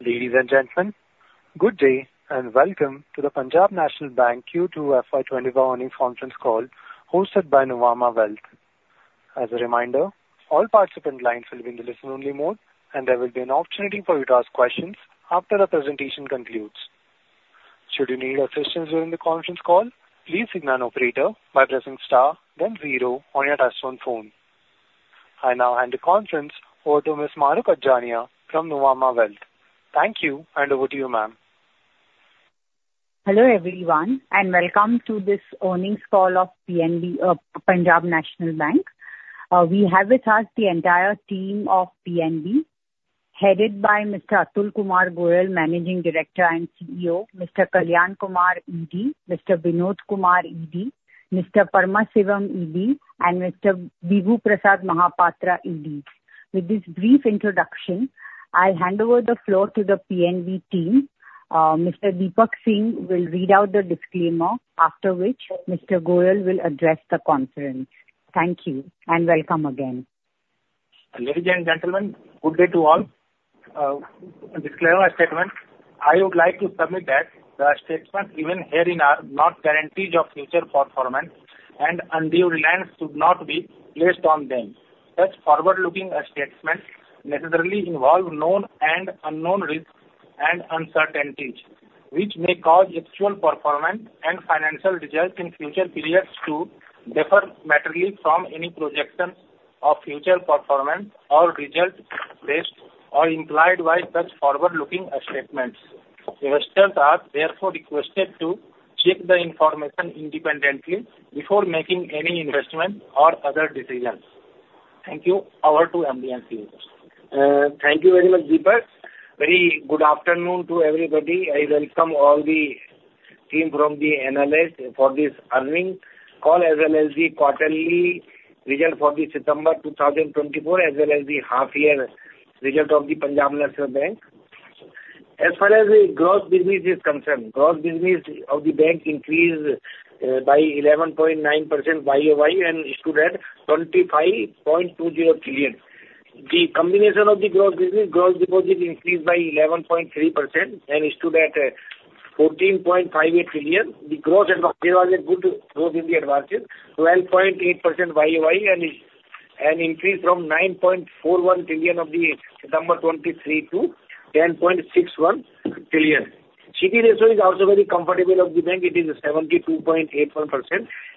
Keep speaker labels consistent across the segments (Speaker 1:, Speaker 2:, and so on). Speaker 1: Ladies and gentlemen, good day, and welcome to the Punjab National Bank Q2 FY 2025 earnings conference call, hosted by Nuvama Wealth. As a reminder, all participant lines will be in the listen-only mode, and there will be an opportunity for you to ask questions after the presentation concludes. Should you need assistance during the conference call, please signal an operator by pressing star then zero on your touchtone phone. I now hand the conference over to Miss Mahrukh Adajania from Nuvama Wealth. Thank you, and over to you, ma'am.
Speaker 2: Hello, everyone, and welcome to this earnings call of PNB, Punjab National Bank. We have with us the entire team of PNB, headed by Mr. Atul Kumar Goel, Managing Director and CEO, Mr. Kalyan Kumar, ED, Mr. Vinod Kumar, ED, Mr. M. Paramasivam, ED, and Mr. Bibhu Prasad Mahapatra, ED. With this brief introduction, I'll hand over the floor to the PNB team. Mr. Deepak Singh will read out the disclaimer, after which Mr. Goel will address the conference. Thank you, and welcome again.
Speaker 3: Ladies and gentlemen, good day to all. Disclaimer statement: I would like to submit that the statements given herein are not guarantees of future performance, and undue reliance should not be placed on them. Such forward-looking statements necessarily involve known and unknown risks and uncertainties, which may cause actual performance and financial results in future periods to differ materially from any projections of future performance or results based or implied by such forward-looking statements. Investors are therefore requested to check the information independently before making any investment or other decisions. Thank you. Over to MD and CEO.
Speaker 4: Thank you very much, Deepak. Very good afternoon to everybody. I welcome all the team from the analysts for this earnings call, as well as the quarterly result for the September, 2024, as well as the half year result of the Punjab National Bank. As far as the gross business is concerned, gross business of the bank increased by 11.9% YoY and stood at 25.20 trillion. The combination of the gross business, gross deposit increased by 11.3% and stood at 14.58 trillion. The gross advances, there was a good growth in the advances, 12.8% YoY, and is an increase from 9.41 trillion of the September 2023 to 10.61 trillion. CD ratio is also very comfortable of the bank, it is 72.81%.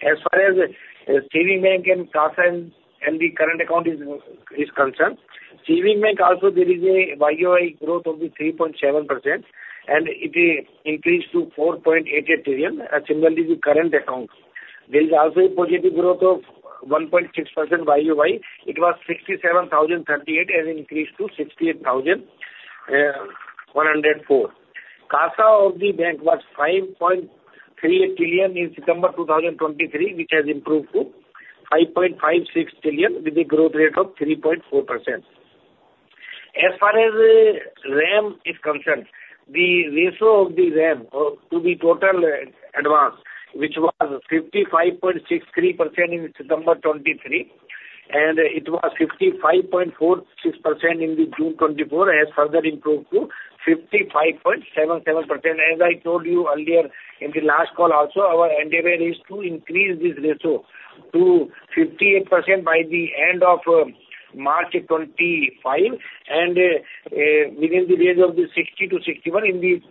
Speaker 4: As far as savings bank and CASA and the current account is concerned, savings bank also there is a YOY growth of 3.7%, and it is increased to 4.88 trillion. Similarly, the current account, there is also a positive growth of 1.6% YOY. It was 67,038, and increased to 68,104. CASA of the bank was 5.38 trillion in September 2023, which has improved to 5.56 trillion with a growth rate of 3.4%. As far as RAM is concerned, the ratio of the RAM to the total advance, which was 55.63% in September 2023, and it was 55.46% in the June 2024, has further improved to 55.77%. As I told you earlier in the last call also, our endeavor is to increase this ratio to 58% by the end of March 2025, and within the range of the 60 to 61 in the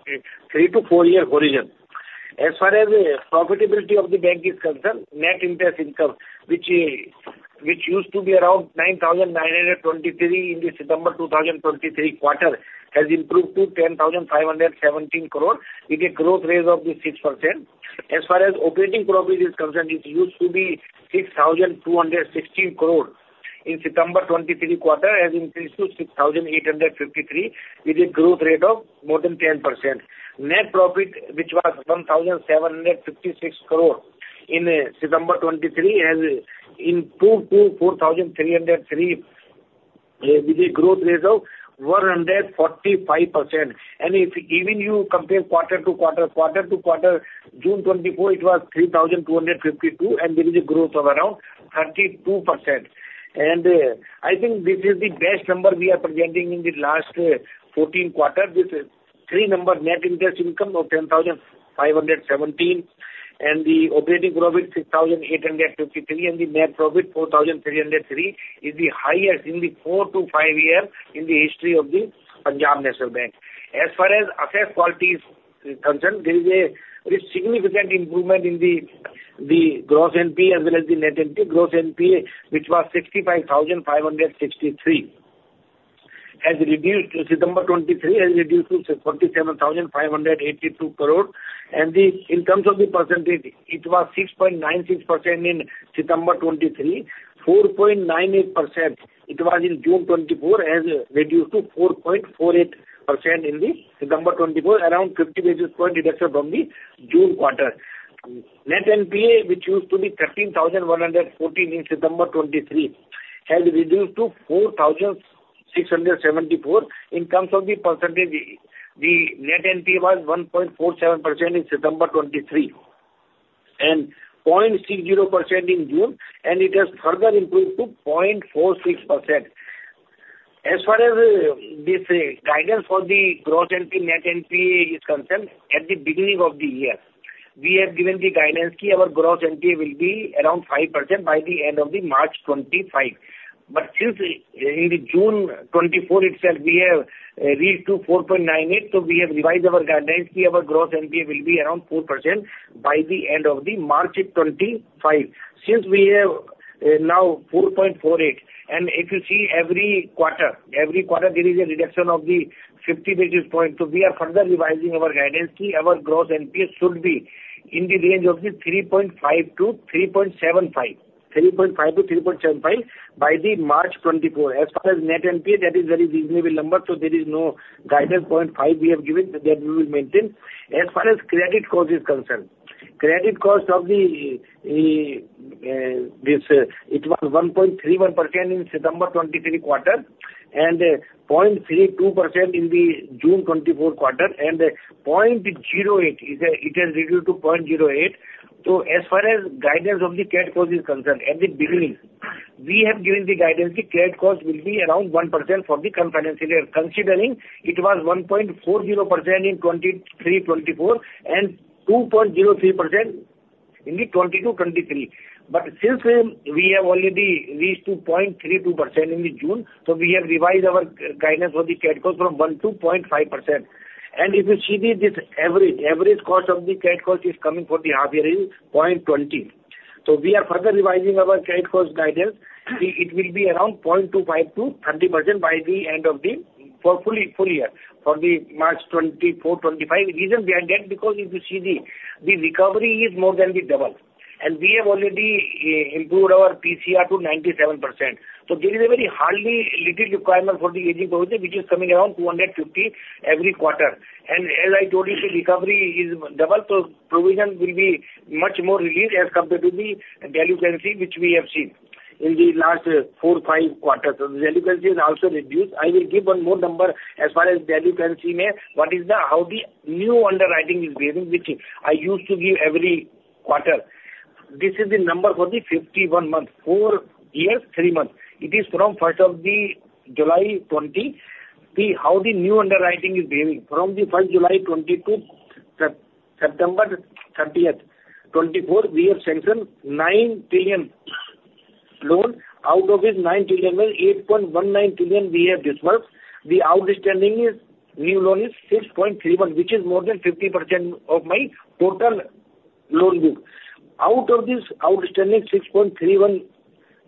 Speaker 4: three to four-year horizon. As far as the profitability of the bank is concerned, net interest income, which used to be around 9,923 in the September 2023 quarter, has improved to 10,517 crore, with a growth rate of the 6%. As far as operating profit is concerned, it used to be 6,216 crore in September 2023 quarter, has increased to 6,853 crore, with a growth rate of more than 10%. Net profit, which was 1,756 crore in September 2023, has improved to 4,303 crore, with a growth rate of 145%. And if even you compare quarter to quarter, quarter to quarter, June 2024, it was 3,252 crore, and there is a growth of around 32%. And I think this is the best number we are presenting in the last 14 quarters. With net interest income of 10,517 crore, and the operating profit 6,853 crore, and the net profit 4,303 crore, is the highest in the four to five year in the history of the Punjab National Bank. As far as asset quality is concerned, there is a very significant improvement in the gross NPA as well as the net NPA. Gross NPA, which was 65,563 crore in September 2023, has reduced to 47,582 crore. And in terms of the percentage, it was 6.96% in September 2023, 4.98% it was in June 2024, has reduced to 4.48% in September 2024, around 50 basis point reduction from the June quarter. Net NPA, which used to be 13,114 in September 2023, has reduced to 4,674. In terms of the percentage, the net NPA was 1.47% in September 2023 and 0.60% in June, and it has further improved to 0.46%. As far as this guidance for the gross NPA, net NPA is concerned, at the beginning of the year, we have given the guidance, our gross NPA will be around 5% by the end of March 2025. But since in the June 2024 itself, we have reached to 4.98, so we have revised our guidance, our gross NPA will be around 4% by the end of March 2025. Since we have now 4.48, and if you see every quarter, there is a reduction of the 50 basis point. So we are further revising our guidance, our gross NPA should be in the range of the 3.5-3.75, 3.5-3.75 by the March 2024. As far as net NPA, that is very reasonable number, so there is no guidance, 0.5 we have given, that we will maintain. As far as credit cost is concerned, credit cost, it was 1.31% in September 2023 quarter, and 0.32% in the June 2024 quarter, and 0.08, it has reduced to 0.08. So as far as guidance of the credit cost is concerned, at the beginning, we have given the guidance, the credit cost will be around 1% for the current financial year. Considering it was 1.40% in 2023-2024, and 2.03% in 2022-2023. But since we have already reached to 0.32% in June, so we have revised our guidance for the credit cost from 1% to 0.5%. And if you see this average cost of the credit cost is coming for the half year is 0.20%. So we are further revising our credit cost guidance. It will be around 0.25%-0.30% by the end of the full year, for March 2025. reason we are getting, because if you see the, the recovery is more than double, and we have already improved our PCR to 97%. So there is a very hardly little requirement for the aging process, which is coming around 250 every quarter. And as I told you, the recovery is double, so provision will be much more relief as compared to the delinquency, which we have seen in the last four, five quarters. So the delinquency is also reduced. I will give one more number as far as delinquency, what is the, how the new underwriting is behaving, which I used to give every quarter. This is the number for the 51-month, four years, three months. It is from first of July 2020, the, how the new underwriting is behaving. From the first of July 2022 to September 30th, 2024, we have sanctioned 9 trillion loan. Out of this 9 trillion was 8.19 trillion we have disbursed. The outstanding is, new loan is 6.31 trillion, which is more than 50% of my total loan book. Out of this outstanding 6.31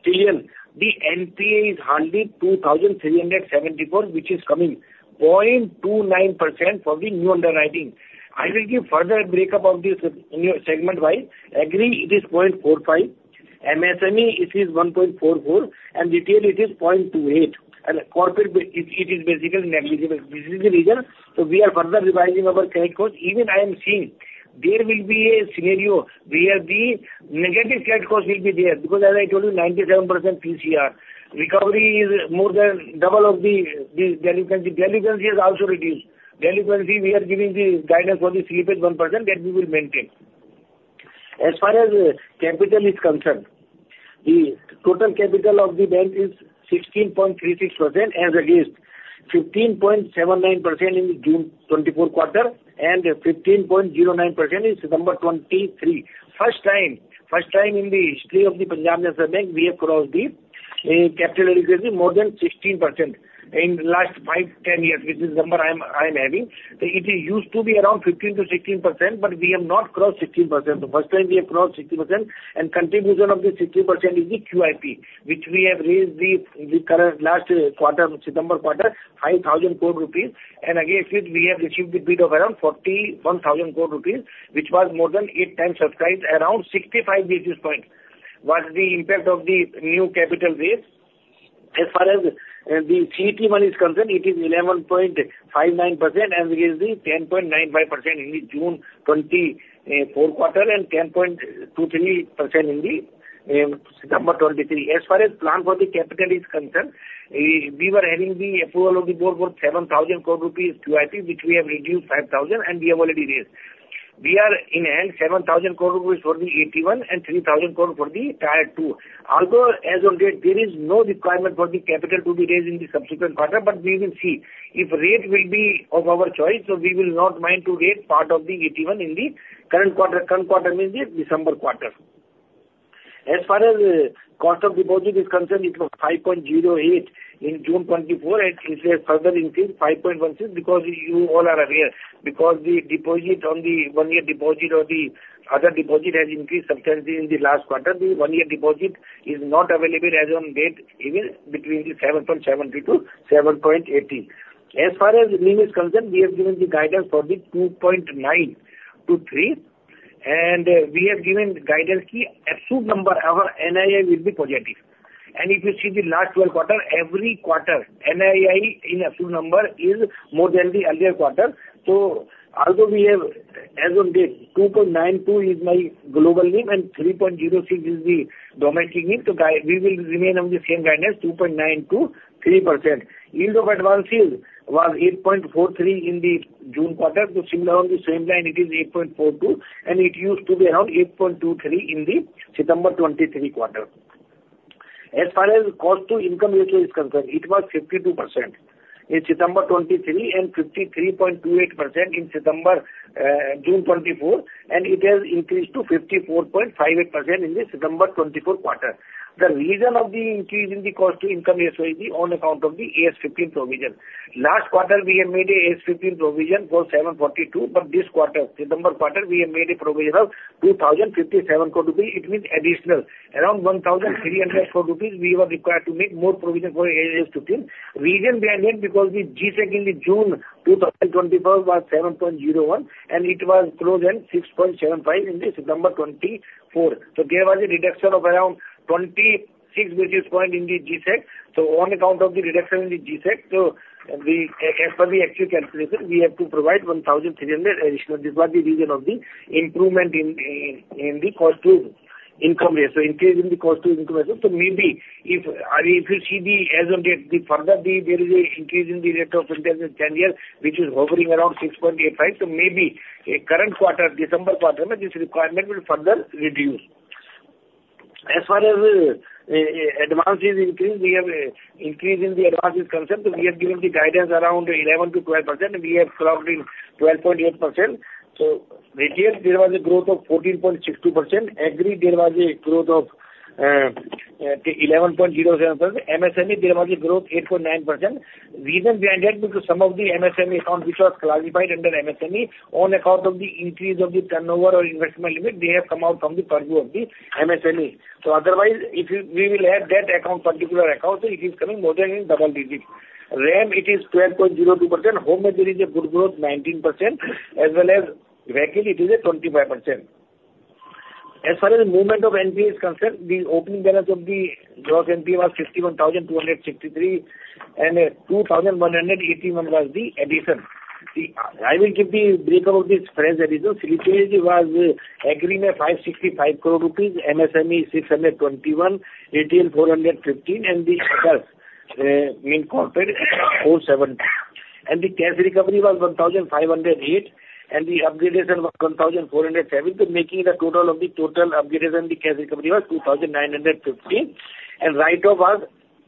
Speaker 4: trillion, the NPA is hardly 2,374, which is coming 0.29% for the new underwriting. I will give further break up of this in a segment-wise. Agri, it is 0.45%, MSME, it is 1.44%, and retail, it is 0.28%, and corporate, it is basically negligible. This is the reason, so we are further revising our credit cost. Even I am seeing there will be a scenario where the negative credit cost will be there, because as I told you, 97% PCR. Recovery is more than double of the delinquency. Delinquency has also reduced. Delinquency, we are giving the guidance for the 3.1%, that we will maintain. As far as capital is concerned, the total capital of the bank is 16.36%, as against 15.79% in the June 2024 quarter, and 15.09% in September 2023. First time in the history of the Punjab National Bank, we have crossed the capital adequacy more than 16%. In the last five, ten years, this is number I am adding. It used to be around 15%-16%, but we have not crossed 16%. The first time we have crossed 16%, and contribution of the 16% is the QIP, which we have raised the current last quarter, September quarter, 5,000 crore rupees, and again, since we have received the bid of around 41,000 crore rupees, which was more than eight times subscribed, around 65 basis points was the impact of the new capital base. As far as the CET1 is concerned, it is 11.59%, and it is the 10.95% in the June 2024 quarter, and 10.23% in the September 2023. As far as plan for the capital is concerned, we were having the approval of the board for 7,000 crore rupees QIP, which we have reduced five thousand, and we have already raised. We are in hand 7,000 crore rupees for the AT1 and 3,000 crore for the Tier 2. Although, as of yet, there is no requirement for the capital to be raised in the subsequent quarter, but we will see. If rate will be of our choice, so we will not mind to raise part of the AT1 in the current quarter. Current quarter means the December quarter. As far as, cost of deposit is concerned, it was 5.08% in June 2024, and it has further increased 5.16%, because you all are aware, because the deposit on the one-year deposit or the other deposit has increased substantially in the last quarter. The one-year deposit is not available as on date, even between the 7.70%-7.80%. As far as NIM is concerned, we have given the guidance for 2.9%-3%, and we have given the guidance, the absolute number, our NII will be positive, and if you see the last 12 quarters, every quarter, NII in absolute number is more than the earlier quarter. So although we have, as of date, 2.92 is my global NIM and 3.06 is the domestic NIM, so we will remain on the same guidance, 2.9%-3%. Yield of advances was 8.43 in the June quarter, so similar on the same line, it is 8.42, and it used to be around 8.23 in the September 2023 quarter. As far as cost to income ratio is concerned, it was 52% in September 2023, and 53.28% in June 2024, and it has increased to 54.58% in the September 2024 quarter. The reason of the increase in the cost to income ratio is the on account of the AS 15 provision. Last quarter, we have made a AS 15 provision for 742 crore, but this quarter, September quarter, we have made a provision of 2,057 crore rupees. It means additional, around 1,300 crore rupees, we were required to make more provision for AS 15. Reason behind it, because the G-Sec in the June 2024 was 7.01, and it was closed at 6.75 in the September 2024. There was a reduction of around 26 basis points in the G-Sec. On account of the reduction in the G-Sec, as per the actual calculation, we have to provide 1,300 additional. This was the reason of the improvement in the cost to income ratio, increase in the cost to income ratio. Maybe if you see the as on date, further there is an increase in the rate of interest in 10-year, which is hovering around 6.85, so maybe in current quarter, December quarter, this requirement will further reduce. As far as advances increase, we have an increase in the advances is concerned, so we have given the guidance around 11%-12%. We have crossed 12.8%. So retail, there was a growth of 14.62%. Agri, there was a growth of eleven point zero seven percent. MSME, there was a growth, 8.9%. Reason behind that, because some of the MSME account, which was classified under MSME, on account of the increase of the turnover or investment limit, they have come out from the purview of the MSME. So otherwise, if you, we will add that account, particular account, so it is coming more than in double digits. RAM, it is 12.02%. Home, there is a good growth, 19%, as well as vehicle, it is at 25%. As far as movement of NPA is concerned, the opening balance of the gross NPA was 51,263, and 2181 was the addition. I will give the breakout of this fresh addition. The slippage was Agri, 565 crore rupees, MSME, 621 crore, retail, 415 crore, and the others being corporate, 470 crore. And the cash recovery was 1,508 crore, and the upgradation was 1,407 crore, so making the total of the total upgradation, the cash recovery was 2,950 crore, and write-off was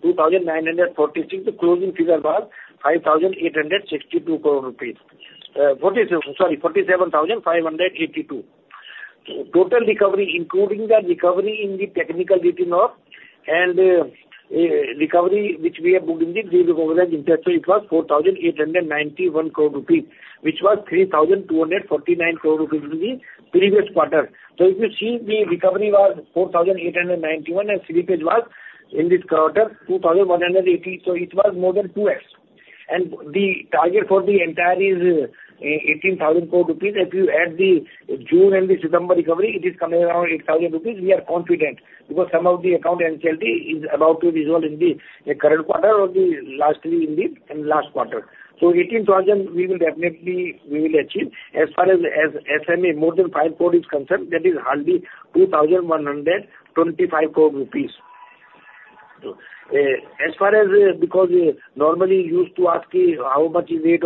Speaker 4: 2,946 crore. The closing figure was 5,862 crore rupees, 57, sorry, 47,582. So total recovery, including the recovery in the technically written-off and recovery which we have booked in the recovered on interest, so it was 4,891 crore rupees, which was 3,249 crore rupees in the previous quarter. So if you see, the recovery was 4,891 crore rupees, and slippage was in this quarter 2,180 crore, so it was more than 2x. And the target for the entire is 18,000 crore rupees. If you add the June and the September recovery, it is coming around 8,000 crore rupees. We are confident, because some of the account NCLT is about to resolve in the current quarter or the lastly in the last quarter. So 18,000, we will definitely, we will achieve. As far as SMA more than five crore is concerned, that is hardly 2,125 crore rupees. As far as, because normally you used to ask, "How much is the rate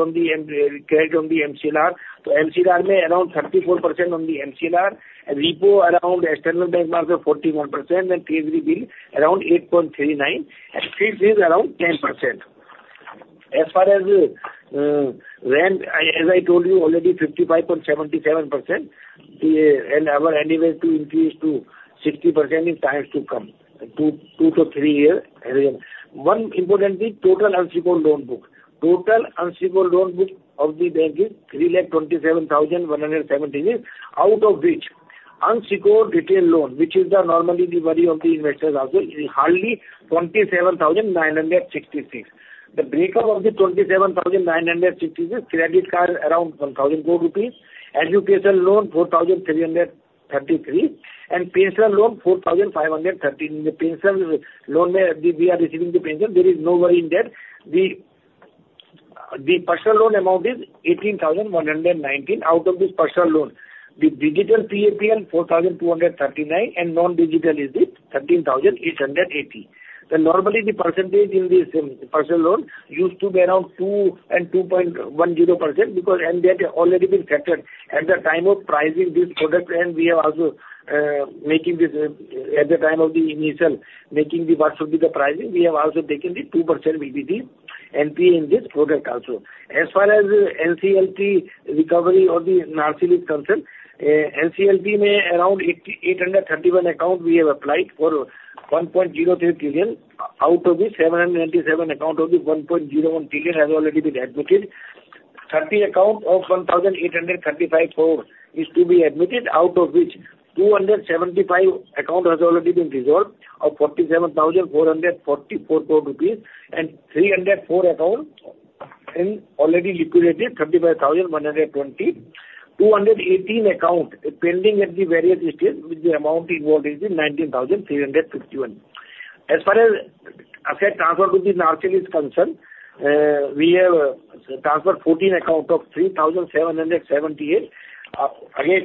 Speaker 4: charged on the MCLR?" So MCLR around 34% on the MCLR, and repo around external benchmark of 41%, and T-Bill around 8.39, and fixed is around 10%. As far as RAM, as I told you already, 55.77%, and our aim is to increase to 60% in times to come, two- to three-year horizon. One important thing, total unsecured loan book. Total unsecured loan book of the bank is 327,170, out of which unsecured retail loan, which is normally the worry of the investors also, is hardly 27,966. The breakup of the 27,966 credit card, around 1,004 rupees, educational loan 4,333, and personal loan 4,530. In the personal loan, we are receiving the personal, there is no worry in that. The personal loan amount is 18,119. Out of this personal loan, the digital PAPL 4,239, and non-digital is the 13,880. So normally, the percentage in this personal loan used to be around 2% and 2.10%, because and that already been factored at the time of pricing this product, and we are also making this at the time of the initial making the what should be the pricing. We have also taken the 2% PD NPA in this product also. As far as NCLT recovery or the NARCL is concerned, NCLT matters around 8,831 accounts we have applied for 1.03 trillion. Out of this, 797 accounts of the 1.01 trillion has already been admitted. 30 accounts of 1,835 crore is to be admitted, out of which 275 accounts has already been resolved of 47,444 crore rupees, and 304 accounts and already liquidated, 35,120. 218 accounts pending at the various stage, with the amount involved is 19,351. As far as asset transfer to the NARCL is concerned, we have transferred 14 accounts of 3,778. Again,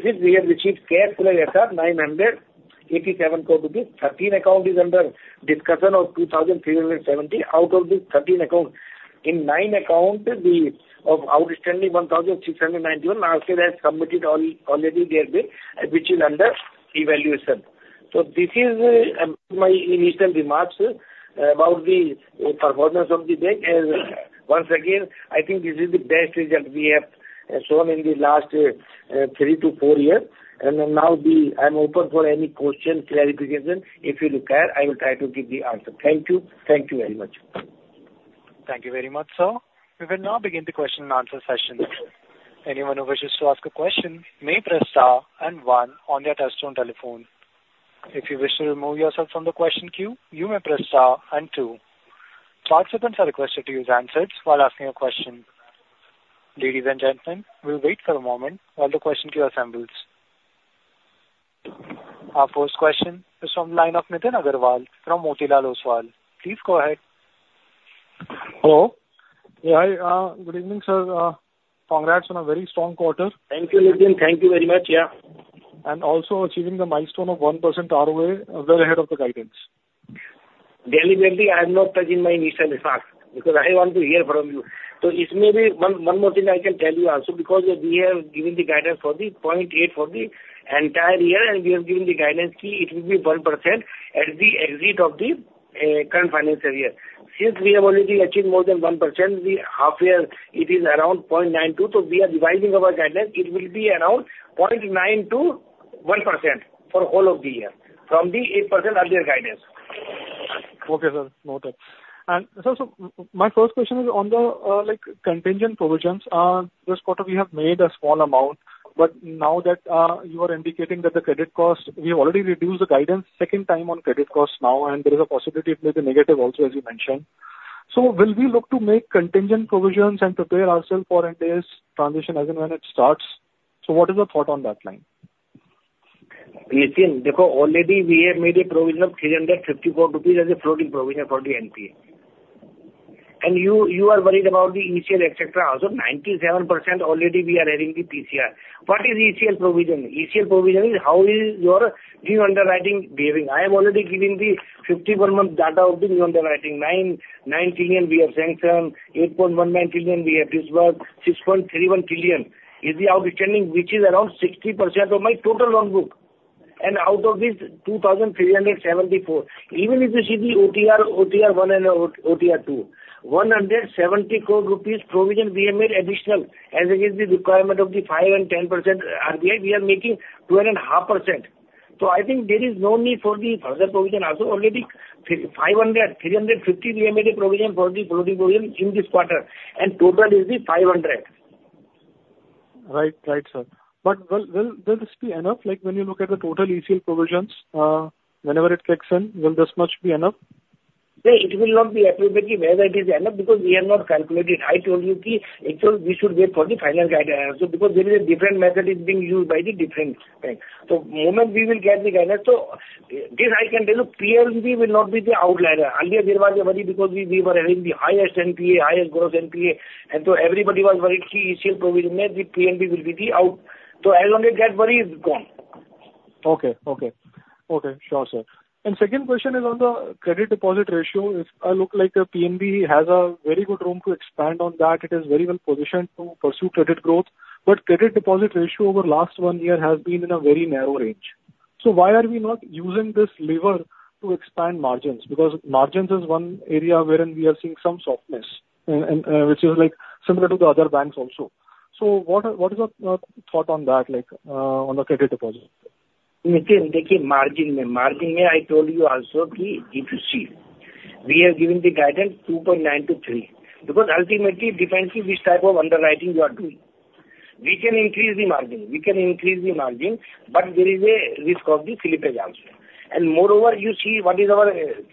Speaker 4: since we have received cash flow as of 987 crore rupees, thirteen accounts are under discussion of 2,370. Out of these thirteen accounts, in nine accounts, the outstanding 1,691, NARCL has already submitted their, which is under evaluation. So this is my initial remarks about the performance of the bank. And once again, I think this is the best result we have shown in the last three to four years. And now, I'm open for any questions, clarification. If you require, I will try to give the answer. Thank you. Thank you very much.
Speaker 1: Thank you very much, sir. We will now begin the question-and-answer session. Anyone who wishes to ask a question may press star and one on their touchtone telephone. If you wish to remove yourself from the question queue, you may press star and two. Participants are requested to use handsets while asking a question. Ladies and gentlemen, we'll wait for a moment while the question queue assembles. Our first question is from line of Nitin Aggarwal from Motilal Oswal. Please go ahead.
Speaker 5: Hello. Yeah, hi, good evening, sir. Congrats on a very strong quarter.
Speaker 4: Thank you, Nitin. Thank you very much, yeah.
Speaker 5: Also achieving the milestone of 1% ROA well ahead of the guidance.
Speaker 4: Deliberately, I have not touched in my initial remarks, because I want to hear from you. So it's maybe one, one more thing I can tell you also, because we have given the guidance for the 0.8% for the entire year, and we have given the guidance, it will be 1% at the exit of the current financial year. Since we have already achieved more than 1%, the half year, it is around 0.92%, so we are revising our guidance. It will be around 0.9% to 1% for all of the year, from the 8% earlier guidance.
Speaker 5: Okay, sir. Noted. And so, my first question is on the, like, contingent provisions. This quarter, we have made a small amount, but now that you are indicating that the credit cost, we have already reduced the guidance second time on credit cost now, and there is a possibility it may be negative also, as you mentioned. So will we look to make contingent provisions and prepare ourselves for NPAs transition as and when it starts? So what is your thought on that line?
Speaker 4: Nithin, look, already we have made a provision of 354 rupees as a floating provision for the NPA. And you, you are worried about the ECL, et cetera. Also, 97% already we are having the PCR. What is ECL provision? ECL provision is how is your new underwriting behaving. I have already given the 51-month data of the new underwriting. 9.9 trillion, we have sanctioned. 8.19 trillion, we have dispersed. 6.31 trillion is the outstanding, which is around 60% of my total loan book. And out of this, 2,374. Even if you see the OTR, OTR one and OTR two, 170 crore rupees provision we have made additional as against the requirement of the 5% and 10%, and we are, we are making 2.5%. So I think there is no need for the further provision. Also, already five hundred, three hundred and fifty, we have made a provision for the floating provision in this quarter, and total is the five hundred.
Speaker 5: Right. Right, sir. But will this be enough? Like, when you look at the total ECL provisions, whenever it kicks in, will this much be enough?
Speaker 4: Yeah, it will not be appropriate whether it is enough, because we have not calculated. I told you, actually, we should wait for the final guidance, because there is a different method is being used by the different banks. So the moment we will get the guidance. So this I can tell you, PNB will not be the outlier. Earlier, there was a worry because we were having the highest NPA, highest gross NPA, and so everybody was worried, ECL provision, the PNB will be the outlier. So as long as that worry, it's gone.
Speaker 5: Okay. Sure, sir. And second question is on the credit deposit ratio. It looks like the PNB has a very good room to expand on that. It is very well positioned to pursue credit growth, but credit deposit ratio over last one year has been in a very narrow range. So why are we not using this lever to expand margins? Because margins is one area wherein we are seeing some softness, and which is like similar to the other banks also. So what is your thought on that, like on the credit deposit?
Speaker 4: Nitin, look in margin. In margin, I told you also, key, if you see, we have given the guidance 2.9%-3%, because ultimately it depends on which type of underwriting you are doing. We can increase the margin. We can increase the margin, but there is a risk of the slippage also. And moreover, you see what is our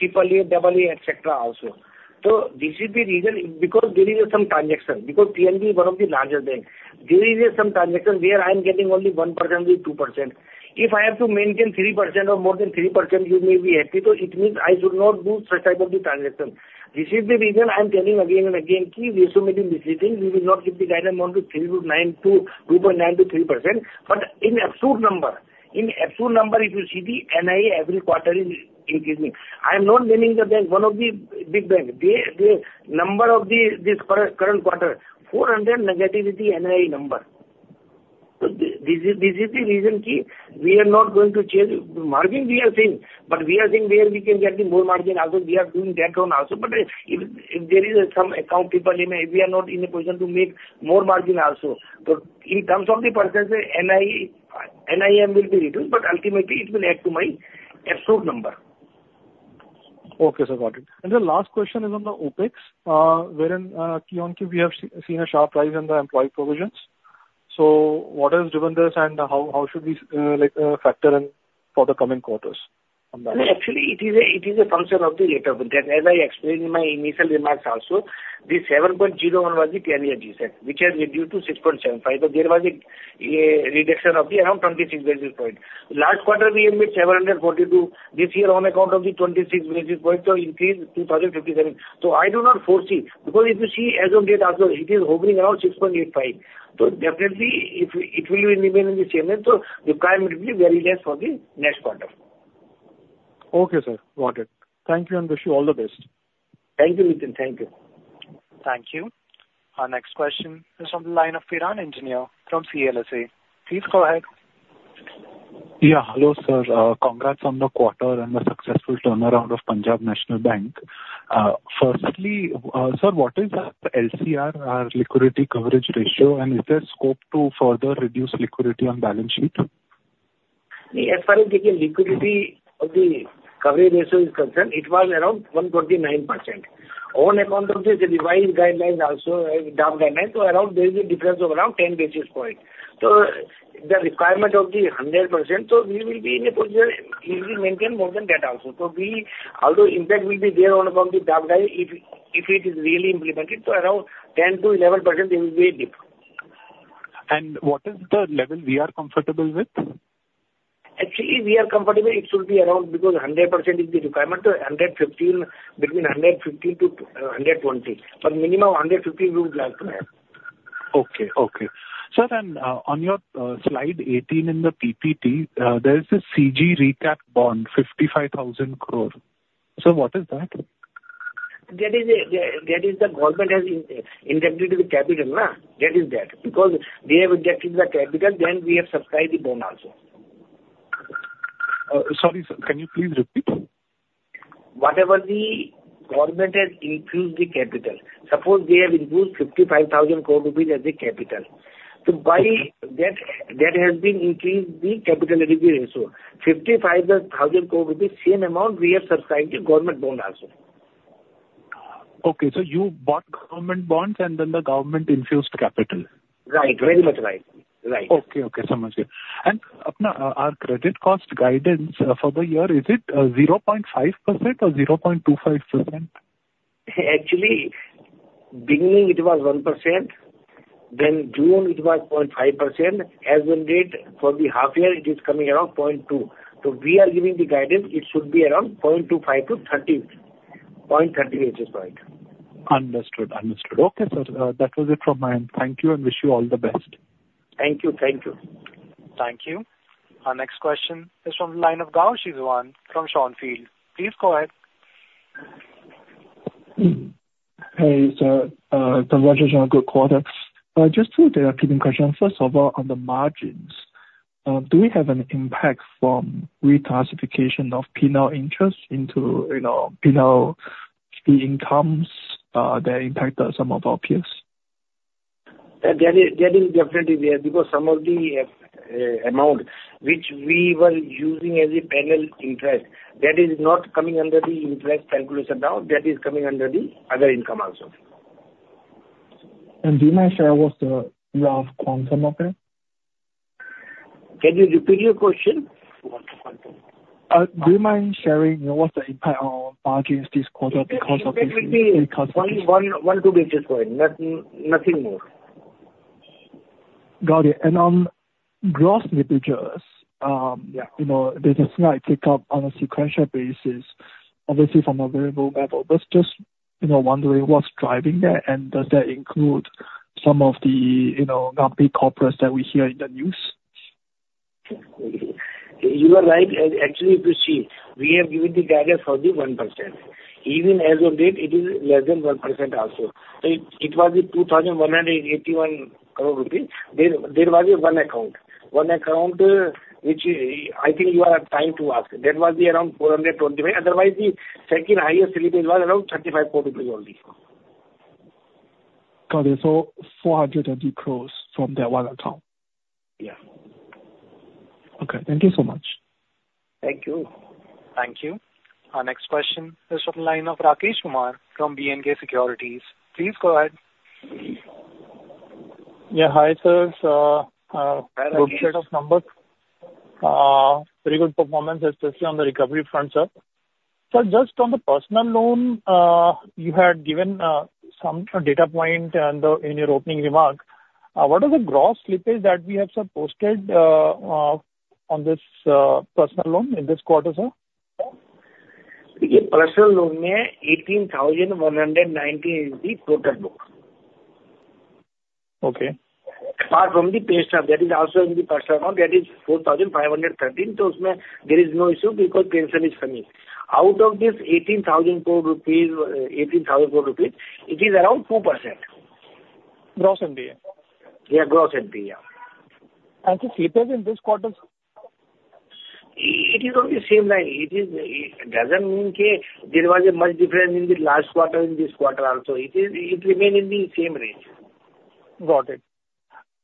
Speaker 4: AAA, AA, etc., also. So this is the reason, because there is some transaction, because PNB is one of the largest banks. There is some transaction where I am getting only 1%-2%. If I have to maintain 3% or more than 3%, you may be happy, so it means I should not do such type of the transaction. This is the reason I am telling again and again, key, there are so many misleading. We will not keep the guidance on 2.3 to 2.9, to 2.9 to 3%. But in absolute number, in absolute number, if you see the NIM every quarter is increasing. I am not naming the bank, one of the big bank. The number of the this current quarter, negative 400 with the NIM number. So this is the reason, key, we are not going to change. Margin, we are seeing, but we are seeing where we can get the more margin also. We are doing that one also. But if there is some account people, we are not in a position to make more margin also. So in terms of the percentage, NI, NIM will be reduced, but ultimately it will add to my absolute number.
Speaker 5: Okay, sir. Got it. And the last question is on the OpEx, wherein, QoQ, we have seen a sharp rise in the employee provisions. So what has driven this, and how should we, like, factor in for the coming quarters on that?
Speaker 4: Actually, it is a function of the rate of return. As I explained in my initial remarks also, the 7.01 was the earlier G-Sec, which has been due to 6.75. So there was a reduction of around 26 basis points. Last quarter, we made 742. This year, on account of the 26 basis points, so increase 2,057. So I do not foresee, because if you see as of date also, it is hovering around 6.85. So definitely, it will remain in the same range, so the claim will be very less for the next quarter. ...
Speaker 5: Okay, sir. Got it. Thank you, and wish you all the best.
Speaker 4: Thank you, Nitin. Thank you.
Speaker 1: Thank you. Our next question is from the line of Piran Engineer from CLSA. Please go ahead.
Speaker 6: Yeah, hello, sir. Congrats on the quarter and the successful turnaround of Punjab National Bank. Firstly, sir, what is the LCR, liquidity coverage ratio, and is there scope to further reduce liquidity on balance sheet?
Speaker 4: As far as the Liquidity Coverage Ratio is concerned, it was around 149%. On account of the revised guideline, also a draft guideline, so around there is a difference of around ten basis points. So the requirement of the 100%, so we will be in a position, we will maintain more than that also. So we, although impact will be there on account of the draft guideline, if it is really implemented, so around 10%-11% it will be different.
Speaker 6: What is the level we are comfortable with?
Speaker 4: Actually, we are comfortable it should be around, because 100% is the requirement, 115, between 115 to 120, but minimum of 115 we would like to have.
Speaker 6: Okay. Sir, and on your slide 18 in the PPT, there is a CG recap bond, 55,000 crore. Sir, what is that?
Speaker 4: That is the government has injected the capital, na? That is, because they have injected the capital, then we have subscribed the bond also.
Speaker 6: Sorry, sir, can you please repeat?
Speaker 4: Whatever the government has increased the capital, suppose they have increased 55,000 crore rupees as the capital, so by that, that has been increased the capital adequacy ratio. INR 55,000 crore, same amount we have subscribed the government bond also.
Speaker 6: Okay, so you bought government bonds, and then the government infused capital?
Speaker 4: Right. Very much right. Right.
Speaker 6: Okay, okay. Understand. And, our credit cost guidance for the year, is it, 0.5% or 0.25%?
Speaker 4: Actually, beginning it was 1%, then June it was 0.5%. As on date, for the half year, it is coming around 0.2. So we are giving the guidance, it should be around 0.25 to 30, 0.30 basis point.
Speaker 6: Understood. Understood. Okay, sir, that was it from my end. Thank you, and wish you all the best.
Speaker 4: Thank you. Thank you.
Speaker 1: Thank you. Our next question is from the line of Gao Zhixuan from Schonfeld. Please go ahead.
Speaker 7: Hey, sir. Congratulations on good quarter. Just two direct questions. First of all, on the margins, do we have an impact from reclassification of penal interest into, you know, penal incomes, that impacted some of our peers?
Speaker 4: That is definitely there, because some of the amount which we were using as penal interest, that is not coming under the interest calculation now, that is coming under the other income also.
Speaker 7: Do you mind share what's the rough quantum of it?
Speaker 4: Can you repeat your question?
Speaker 7: Do you mind sharing, you know, what's the impact on margins this quarter because of the-
Speaker 4: It would be one basis point. Nothing more.
Speaker 7: Got it. And on gross linkages,
Speaker 4: Yeah.
Speaker 7: You know, there's a slight tick up on a sequential basis, obviously from a favorable level. But just, you know, wondering what's driving that, and does that include some of the, you know, NPA corporates that we hear in the news?
Speaker 4: You are right. Actually, if you see, we have given the guidance for the 1%. Even as on date, it is less than 1% also. It was 2,181 crore rupees. There was one account which, I think you are trying to ask. That was around 420 million. Otherwise, the second highest slippage was around 35 crore only.
Speaker 7: Got it. So 430 crores from that one account?
Speaker 4: Yeah.
Speaker 7: Okay. Thank you so much.
Speaker 4: Thank you.
Speaker 1: Thank you. Our next question is from the line of Rakesh Kumar from B&K Securities. Please go ahead.
Speaker 8: Yeah, hi, sirs. In terms of numbers, very good performance, especially on the recovery front, sir. Sir, just on the personal loan, you had given some data point on the, in your opening remark. What is the gross slippage that we have, sir, posted on this personal loan in this quarter, sir?
Speaker 4: The Personal Loan, INR 18,190, is the total loan.
Speaker 8: Okay.
Speaker 4: Apart from the payment, that is also in the personal loan, that is 4,513. So there is no issue because pension is coming. Out of this 18,000 crore rupees, it is around 2%.
Speaker 8: Gross NPA?
Speaker 4: Yeah, gross NPA.
Speaker 8: The slippage in this quarter, sir?
Speaker 4: It is on the same line. It doesn't mean that there was a much difference in the last quarter, in this quarter also. It remain in the same range.
Speaker 8: Got it.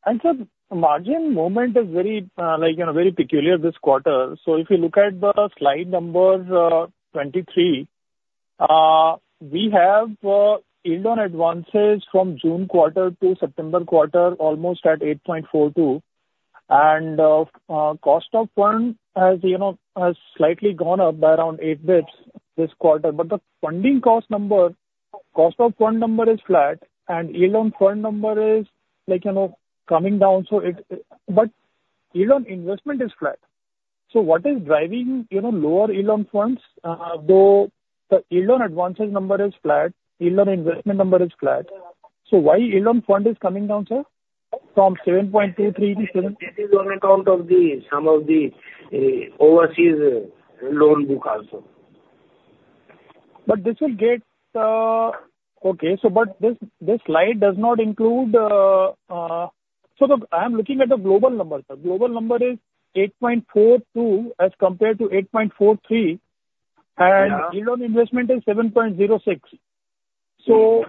Speaker 8: And sir, margin movement is very, like, you know, very peculiar this quarter. So if you look at the slide number 23, we have, in loan advances from June quarter to September quarter, almost at 8.42, and, cost of fund has, you know, has slightly gone up by around eight basis points this quarter. But the funding cost number, cost of fund number is flat, and AUM fund number is like, you know, coming down, so it... But AUM investment is flat. So what is driving, you know, lower AUM funds, though the AUM advances number is flat, AUM investment number is flat, so why AUM fund is coming down, sir?... from 7.237 seven point two three to seven-
Speaker 4: It is on account of some of the overseas loan book also.
Speaker 8: But this slide does not include, so I am looking at the global number, sir. Global number is 8.42, as compared to 8.43.
Speaker 4: Yeah.
Speaker 8: Yield on investment is 7.06. So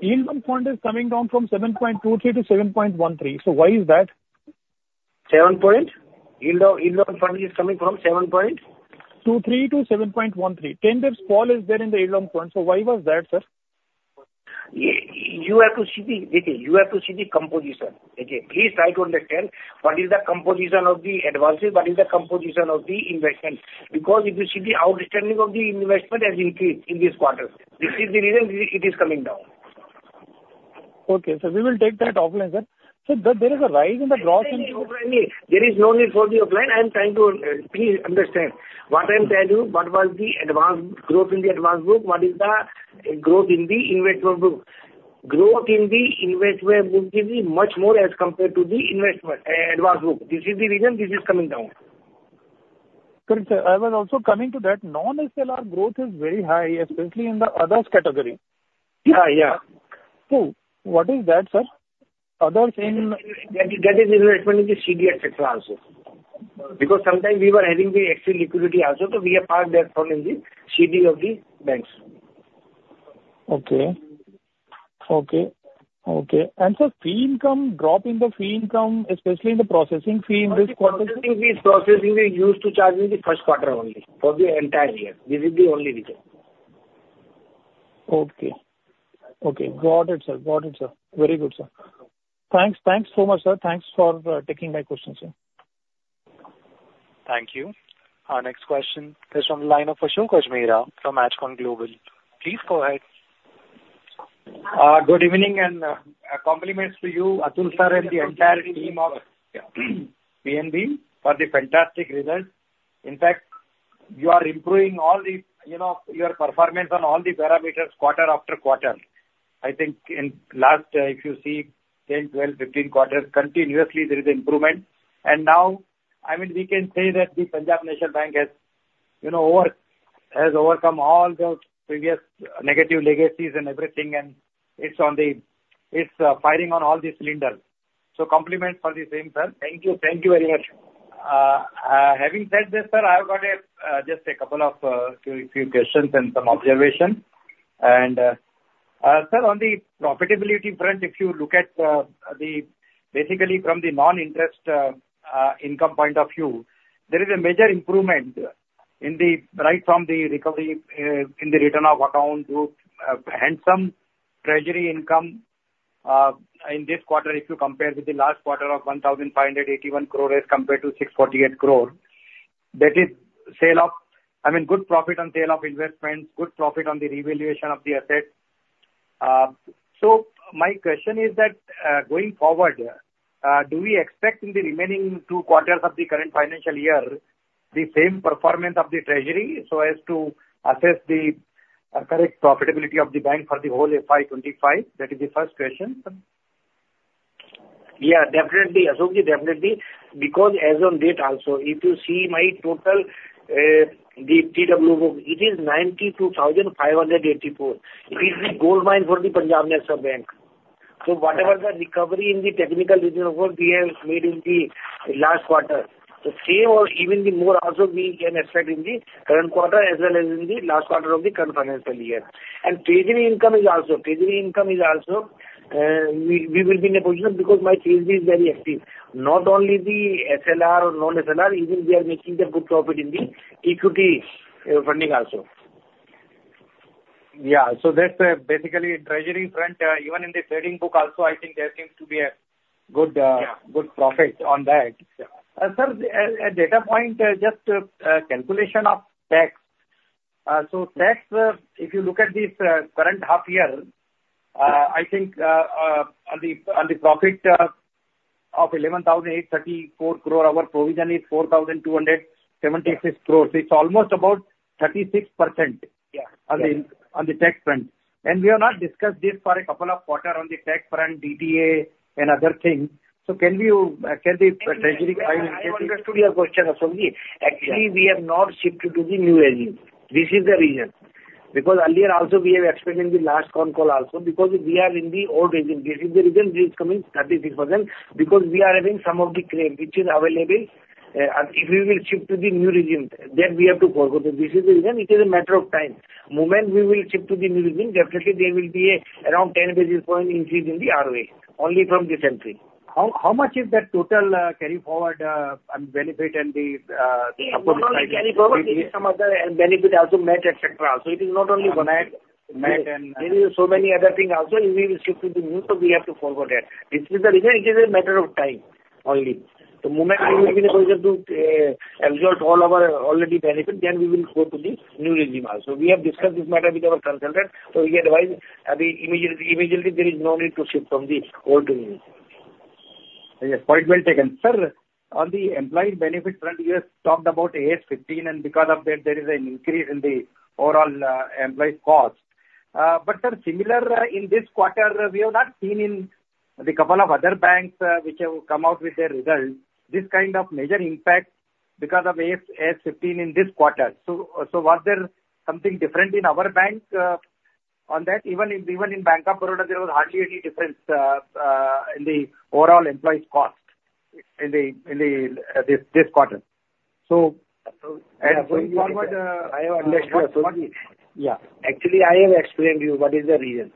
Speaker 8: yield on fund is coming down from 7.23 to 7.13. Why is that?
Speaker 4: Seven point? Yield on funding is coming from seven point?
Speaker 8: 2.3 to 7.13. Tangible fall is there in the yield on fund, so why was that, sir?
Speaker 4: Yeah, you have to see the composition. Okay, please try to understand what is the composition of the advances, what is the composition of the investment. Because if you see the outstanding of the investment has increased in this quarter. This is the reason it is coming down.
Speaker 8: Okay, sir. We will take that offline, sir. So there is a rise in the growth and-
Speaker 4: There is no need for the offline. I am trying to please understand. What I am telling you, what was the advances growth in the advances group? What is the growth in the investment group? Growth in the investment group is much more as compared to the advances group. This is the reason this is coming down.
Speaker 8: Correct, sir. I was also coming to that. Non-SLR growth is very high, especially in the others category.
Speaker 4: Yeah, yeah.
Speaker 8: So what is that, sir? Others in-
Speaker 4: That is, investment in the CD et cetera also. Because sometimes we were having the extra liquidity also, so we have parked that all in the CD of the banks.
Speaker 8: Okay. Drop in the fee income, especially in the processing fee in this quarter.
Speaker 4: Processing fee, we used to charge in the first quarter only for the entire year. This is the only reason.
Speaker 8: Okay. Okay, got it, sir. Got it, sir. Very good, sir. Thanks, thanks so much, sir. Thanks for taking my questions, sir.
Speaker 1: Thank you. Our next question is from the line of Ashok Ajmera from Ajcon Global. Please go ahead.
Speaker 9: Good evening and compliments to you, Atul sir, and the entire team of PNB for the fantastic results. In fact, you are improving all the, you know, your performance on all the parameters quarter after quarter. I think in last, if you see 10, 12, 15 quarters, continuously there is improvement. Now, I mean, we can say that the Punjab National Bank has, you know, has overcome all the previous negative legacies and everything, and it's firing on all the cylinders. So compliments for the same, sir.
Speaker 4: Thank you. Thank you very much.
Speaker 9: Having said this, sir, I have got just a couple of few questions and some observations. Sir, on the profitability front, if you look at the... Basically, from the non-interest income point of view, there is a major improvement in the, right from the recovery in the written-off account group, and some treasury income, in this quarter, if you compare with the last quarter of 1,581 crore as compared to 648 crore. That is sale of, I mean, good profit on sale of investments, good profit on the revaluation of the assets. So my question is that, going forward, do we expect in the remaining two quarters of the current financial year, the same performance of the treasury, so as to assess the correct profitability of the bank for the whole FY twenty-five? That is the first question.
Speaker 4: Yeah, definitely, Ashokji, definitely. Because as on date also, if you see my total, the TWO book, it is 92,584. It is the gold mine for the Punjab National Bank. So whatever the recovery in the technical write-off we have made in the last quarter, the same or even the more also we can expect in the current quarter, as well as in the last quarter of the current financial year. Treasury income is also. We will be in a position because my treasury is very active. Not only the SLR or non-SLR, even we are making the good profit in the equity funding also. Yeah. So that's basically treasury front. Even in the trading book also, I think there seems to be a good... Yeah.
Speaker 9: Good profit on that.
Speaker 4: Yeah.
Speaker 9: Sir, a data point, just calculation of tax. So tax, if you look at this current half year, I think, on the profit of 11,834 crore, our provision is 4,276 crores. It's almost about 36%.
Speaker 4: Yeah.
Speaker 9: on the, on the tax front. And we have not discussed this for a couple of quarter on the tax front, DTA and other things. So can you, can the treasury, I-
Speaker 4: I understood your question, Ashok.
Speaker 9: Yeah.
Speaker 4: Actually, we have not shifted to the new regime. This is the reason. Because earlier also, we have explained in the last con call also, because we are in the old regime, this is the reason it is coming 36%, because we are having some of the claim, which is available. If we will shift to the new regime, then we have to forgo. So this is the reason, it is a matter of time. Moment we will shift to the new regime, definitely there will be around ten basis points increase in the ROA, only from this entry.
Speaker 9: How much is that total carry forward and benefit and the supported by the-
Speaker 4: Not only carry forward, it is some other benefit also, MAT, et cetera, also. It is not only one MAT, MAT and. There is so many other things also, we will shift to the new, so we have to forward that. This is the reason, it is a matter of time only. The moment I will be in a position to exhaust all our already benefit, then we will go to the new regime also. We have discussed this matter with our consultant, so he advised, the immediately, immediately there is no need to shift from the old regime....
Speaker 9: Yes, point well taken. Sir, on the employee benefit front, you have talked about AS 15, and because of that, there is an increase in the overall employee cost. But sir, similar in this quarter, we have not seen in the couple of other banks which have come out with their results, this kind of major impact because of AS 15 in this quarter. So was there something different in our bank on that? Even in Bank of Baroda, there was hardly any difference in the overall employee cost in this quarter. So,
Speaker 4: Yeah, going forward, I have-
Speaker 9: Yeah.
Speaker 4: Actually, I have explained to you what is the reason.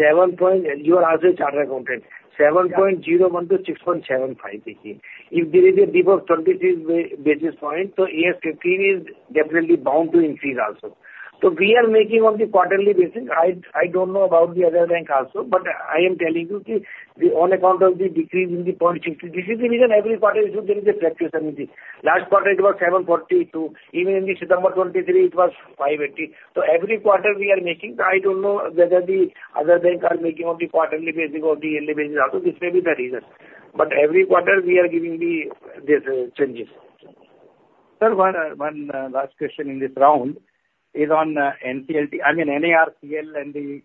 Speaker 4: Seven point... You are also a chartered accountant.
Speaker 9: Yeah.
Speaker 4: 7.01 to 6.75. If there is a decrease of thirty-six basis points, so AS 15 is definitely bound to increase also. So we are making on the quarterly basis. I don't know about the other bank also, but I am telling you, the on account of the decrease in the point sixty, this is the reason every quarter there is a fluctuation in the last quarter it was 7.42. Even in the September 2023, it was 5.80. So every quarter we are making. I don't know whether the other bank are making on the quarterly basis or the yearly basis also, this may be the reason. But every quarter we are giving the these changes.
Speaker 9: Sir, one last question in this round is on NCLT, I mean, NARCL, and the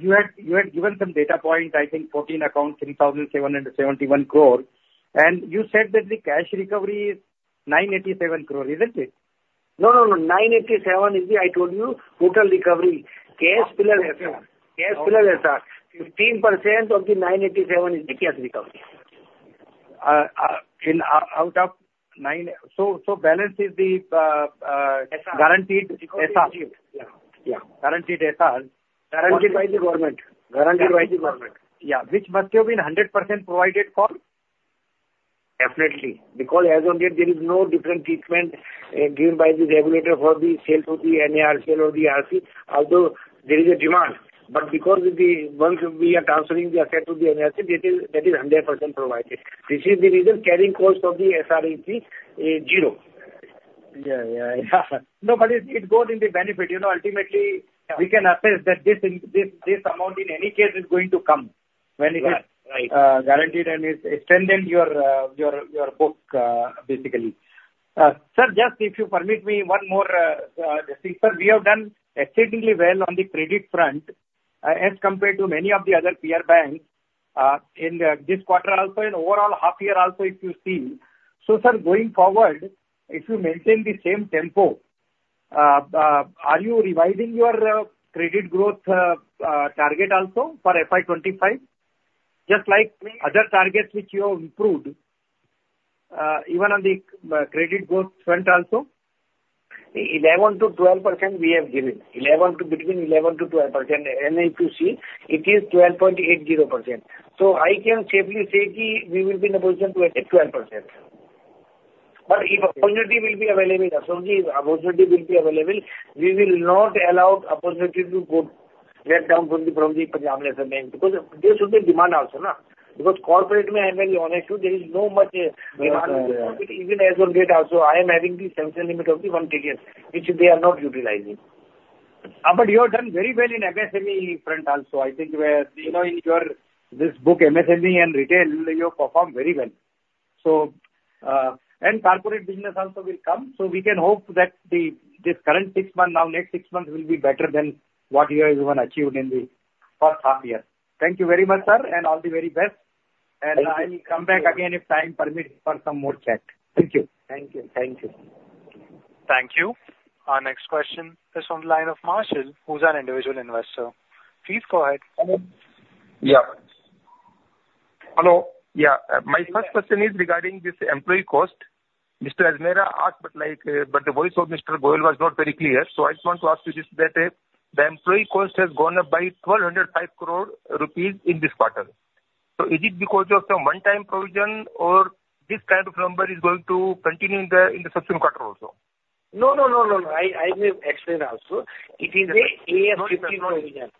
Speaker 9: you had given some data point, I think, 14 accounts, 3,771 crore, and you said that the cash recovery is 987 crore, isn't it?
Speaker 4: No, no, no. 987 is the, I told you, total recovery. Cash plus SR, cash plus SR. 15% of the 987 is the cash recovery.
Speaker 9: in, out of nine... So balance is the
Speaker 4: SR.
Speaker 9: Guaranteed SR.
Speaker 4: Yeah. Yeah.
Speaker 9: Guaranteed SR.
Speaker 4: Guaranteed by the government.
Speaker 9: Yeah. Which must have been 100% provided for?
Speaker 4: Definitely, because as on date, there is no different treatment given by the regulator for the sale to the NARCL or the ARC, although there is a demand. But because the, once we are transferring the asset to the ARC, that is hundred percent provided. This is the reason carrying cost of the ARC is zero.
Speaker 9: Yeah. No, but it goes in the benefit. You know, ultimately-
Speaker 4: Yeah.
Speaker 9: We can assess that this amount, in any case, is going to come when it is.
Speaker 4: Right. Right.
Speaker 9: Guaranteed and it strengthen your book, basically. Sir, just if you permit me one more thing. Sir, we have done exceedingly well on the credit front, as compared to many of the other peer banks, in this quarter also and overall half year also, if you see. So sir, going forward, if you maintain the same tempo, are you revising your credit growth target also for FY2025, just like other targets which you have improved, even on the credit growth front also?
Speaker 4: 11%-12% we have given. Between 11%-12%, and if you see, it is 12.80%. So I can safely say that we will be in a position to attend 12%. But if opportunity will be available, so the opportunity will be available, we will not allow opportunity to go, get down from the, from the Punjab National Bank, because there should be demand also, no? Because corporate, I may be honest, too, there is no much demand.
Speaker 9: Yeah.
Speaker 4: Even as of date also, I am having the sanction limit of the one trillion, which they are not utilizing.
Speaker 9: But you have done very well in MSME front also. I think where, you know, in your, this book, MSME and retail, you perform very well. So, and corporate business also will come, so we can hope that the, this current six months now, next six months will be better than what you have even achieved in the first half year. Thank you very much, sir, and all the very best.
Speaker 4: Thank you.
Speaker 9: I will come back again, if time permits, for some more chat. Thank you.
Speaker 4: Thank you. Thank you.
Speaker 1: Thank you. Our next question is on the line of Marshall, who's an individual investor. Please go ahead.
Speaker 10: Yeah. Hello. Yeah, my first question is regarding this employee cost. Mr. Ajmera asked, but, like, but the voice of Mr. Goel was not very clear, so I just want to ask you this, that, the employee cost has gone up by 1,205 crore rupees in this quarter. So is it because of some one-time provision, or this kind of number is going to continue in the, in the subsequent quarter also?
Speaker 4: No, no, no, no. I may explain also. It is a AS 15 provision.
Speaker 10: No, no.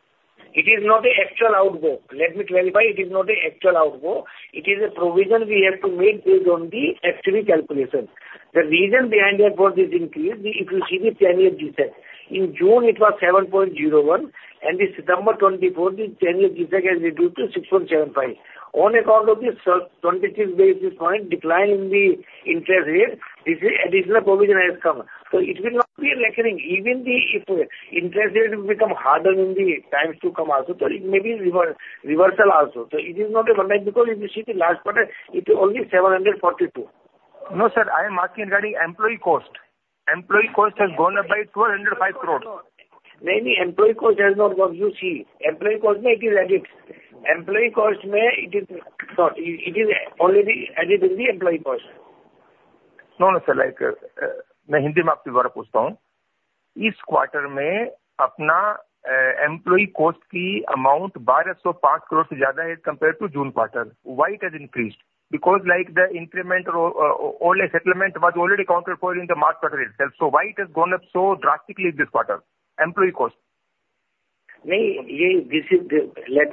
Speaker 4: It is not an actual outgo. Let me clarify. It is not an actual outgo. It is a provision we have to make based on the actual calculation. The reason behind that was this increase, if you see the 10-year G-Sec, in June it was 7.01, and the September twenty-fourth, the 10-year G-Sec has reduced to 6.75. On account of this twenty-six basis points decline in the interest rate, this additional provision has come. So it will not be reckoning. Even if the, if interest rates will become harder in the times to come also, so it may be reversal also. So it is not a one time, because if you see the last quarter, it is only 742.
Speaker 10: No, sir, I am asking regarding employee cost. Employee cost has gone up by 1,205 crores.
Speaker 4: No, no, no. Mainly, employee cost has not gone. You see, employee cost, it is added. Employee cost, it is, sorry, it is already added in the employee cost.
Speaker 10: No, no, sir, like, this quarter, employee cost key amount, INR 1,205 crore is more compared to June quarter. Why it has increased? Because, like, the increment or settlement was already accounted for in the March quarter itself. So why it has gone up so drastically this quarter, employee cost?
Speaker 4: Let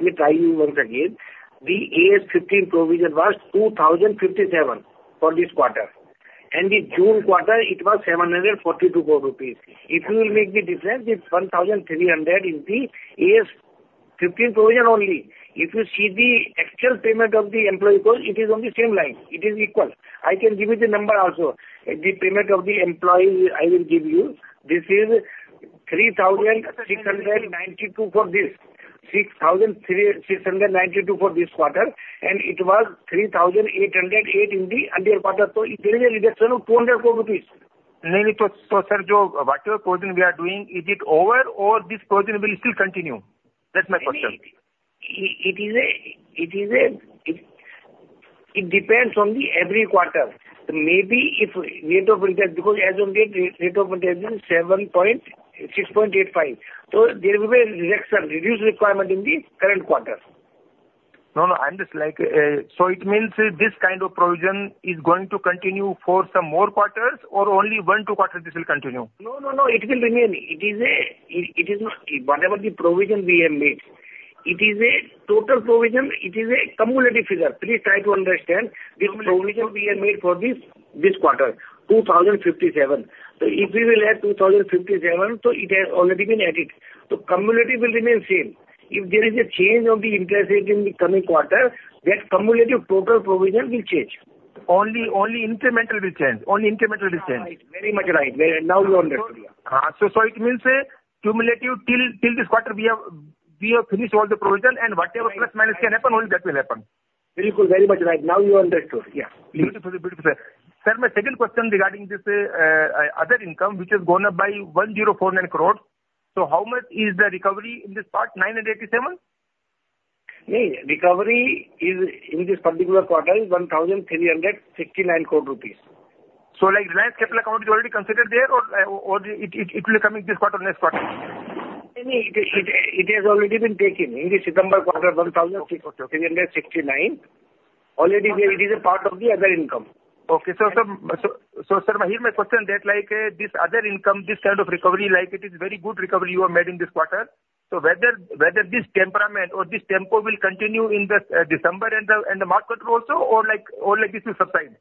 Speaker 4: me tell you once again. The AS 15 provision was 2,057 crore for this quarter, and the June quarter, it was 742 crore rupees. If you will make the difference, it's 1,300, the AS 15 provision only. If you see the actual payment of the employee cost, it is on the same line. It is equal. I can give you the number also. The payment of the employee, I will give you. This is 3,692 crore for this quarter, and it was 3,808 crore in the earlier quarter, so there is a reduction of 200 crore rupees.
Speaker 10: No, sir, so whatever provision we are doing, is it over or this provision will still continue? That's my question.
Speaker 4: It is a, it depends on every quarter. Maybe if rate of interest, because as of date, rate of interest is 7.685. So there will be a reduction, reduced requirement in the current quarter.
Speaker 10: No, no, I'm just like, So it means this kind of provision is going to continue for some more quarters, or only one, two quarters, this will continue?
Speaker 4: No, no, no, it will remain. It is a, it is not... Whatever the provision we have made, it is a total provision, it is a cumulative figure. Please try to understand.
Speaker 10: Okay.
Speaker 4: The provision we have made for this, this quarter, 2,057. So if we will add 2,057, so it has already been added. So cumulative will remain same. If there is a change of the interest rate in the coming quarter, that cumulative total provision will change.
Speaker 10: Only incremental will change.
Speaker 4: Yeah, right. Very much right. Now, you are understood, yeah.
Speaker 10: So it means cumulative till this quarter, we have finished all the provision-
Speaker 4: Right.
Speaker 10: and whatever plus, minus can happen, only that will happen.
Speaker 4: Very good. Very much right. Now, you understood. Yeah.
Speaker 10: Beautiful, beautiful, sir. Sir, my second question regarding this other income, which has gone up by 1,049 crores. So how much is the recovery in this part, 987?
Speaker 4: Recovery in this particular quarter is 1,369 crore rupees.
Speaker 9: Like Reliance Capital account is already considered there, or it will come in this quarter, next quarter?
Speaker 4: It has already been taken in the September quarter, one thousand three hundred sixty-nine. Okay. Already it is a part of the other income.
Speaker 10: Okay. So, sir, my question that, like, this other income, this kind of recovery, like it is very good recovery you have made in this quarter. So whether this temperament or this tempo will continue in the December and the March quarter also, or like this will subside?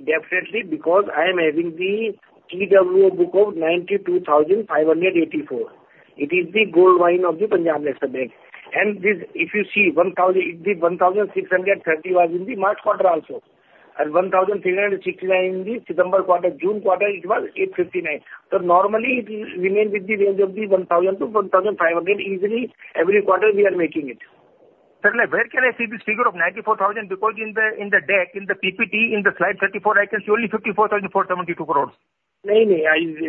Speaker 4: Definitely, because I am having the TWO book of 92,584. It is the gold mine of the Punjab National Bank. And this, if you see, 1,000, the 1,630 was in the March quarter also, and 1,369 in the September quarter. June quarter, it was 859. So normally it will remain with the range of the 1,000 to 1,500, easily every quarter we are making it.
Speaker 10: Sir, where can I see this figure of ninety-four thousand? Because in the deck, in the PPT, in the slide thirty-four, I can see only fifty-four thousand four seventy-two crores.
Speaker 4: No, no,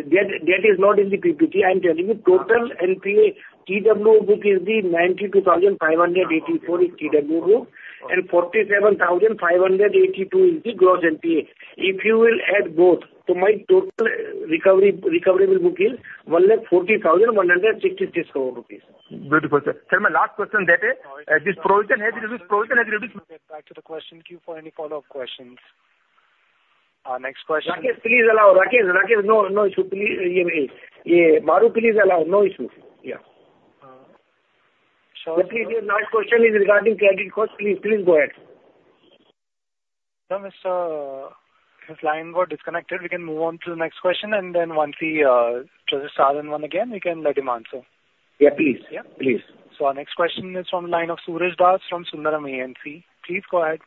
Speaker 4: that is not in the PPT. I'm telling you total NPA, TWO book is the 92,584 is TWO, and 47,582 is the gross NPA. If you will add both, so my total recovery book is 1,40,166 crore rupees.
Speaker 10: Beautiful, sir. Sir, my last question that this provision has been-
Speaker 1: Back to the question queue for any follow-up questions. Next question.
Speaker 4: Rakesh, please allow. Rakesh, Rakesh, no, no issue, please. Yeah, Mahrukh, please allow. No issue. Yeah.
Speaker 1: Uh, so-
Speaker 4: The next question is regarding credit cost. Please, please go ahead.
Speaker 1: Sir, Mr.... His line got disconnected. We can move on to the next question, and then once he chooses to start on again, we can let him answer.
Speaker 4: Yeah, please.
Speaker 1: Yeah?
Speaker 4: Please.
Speaker 1: Our next question is from the line of Suraj Das from Sundaram AMC. Please go ahead.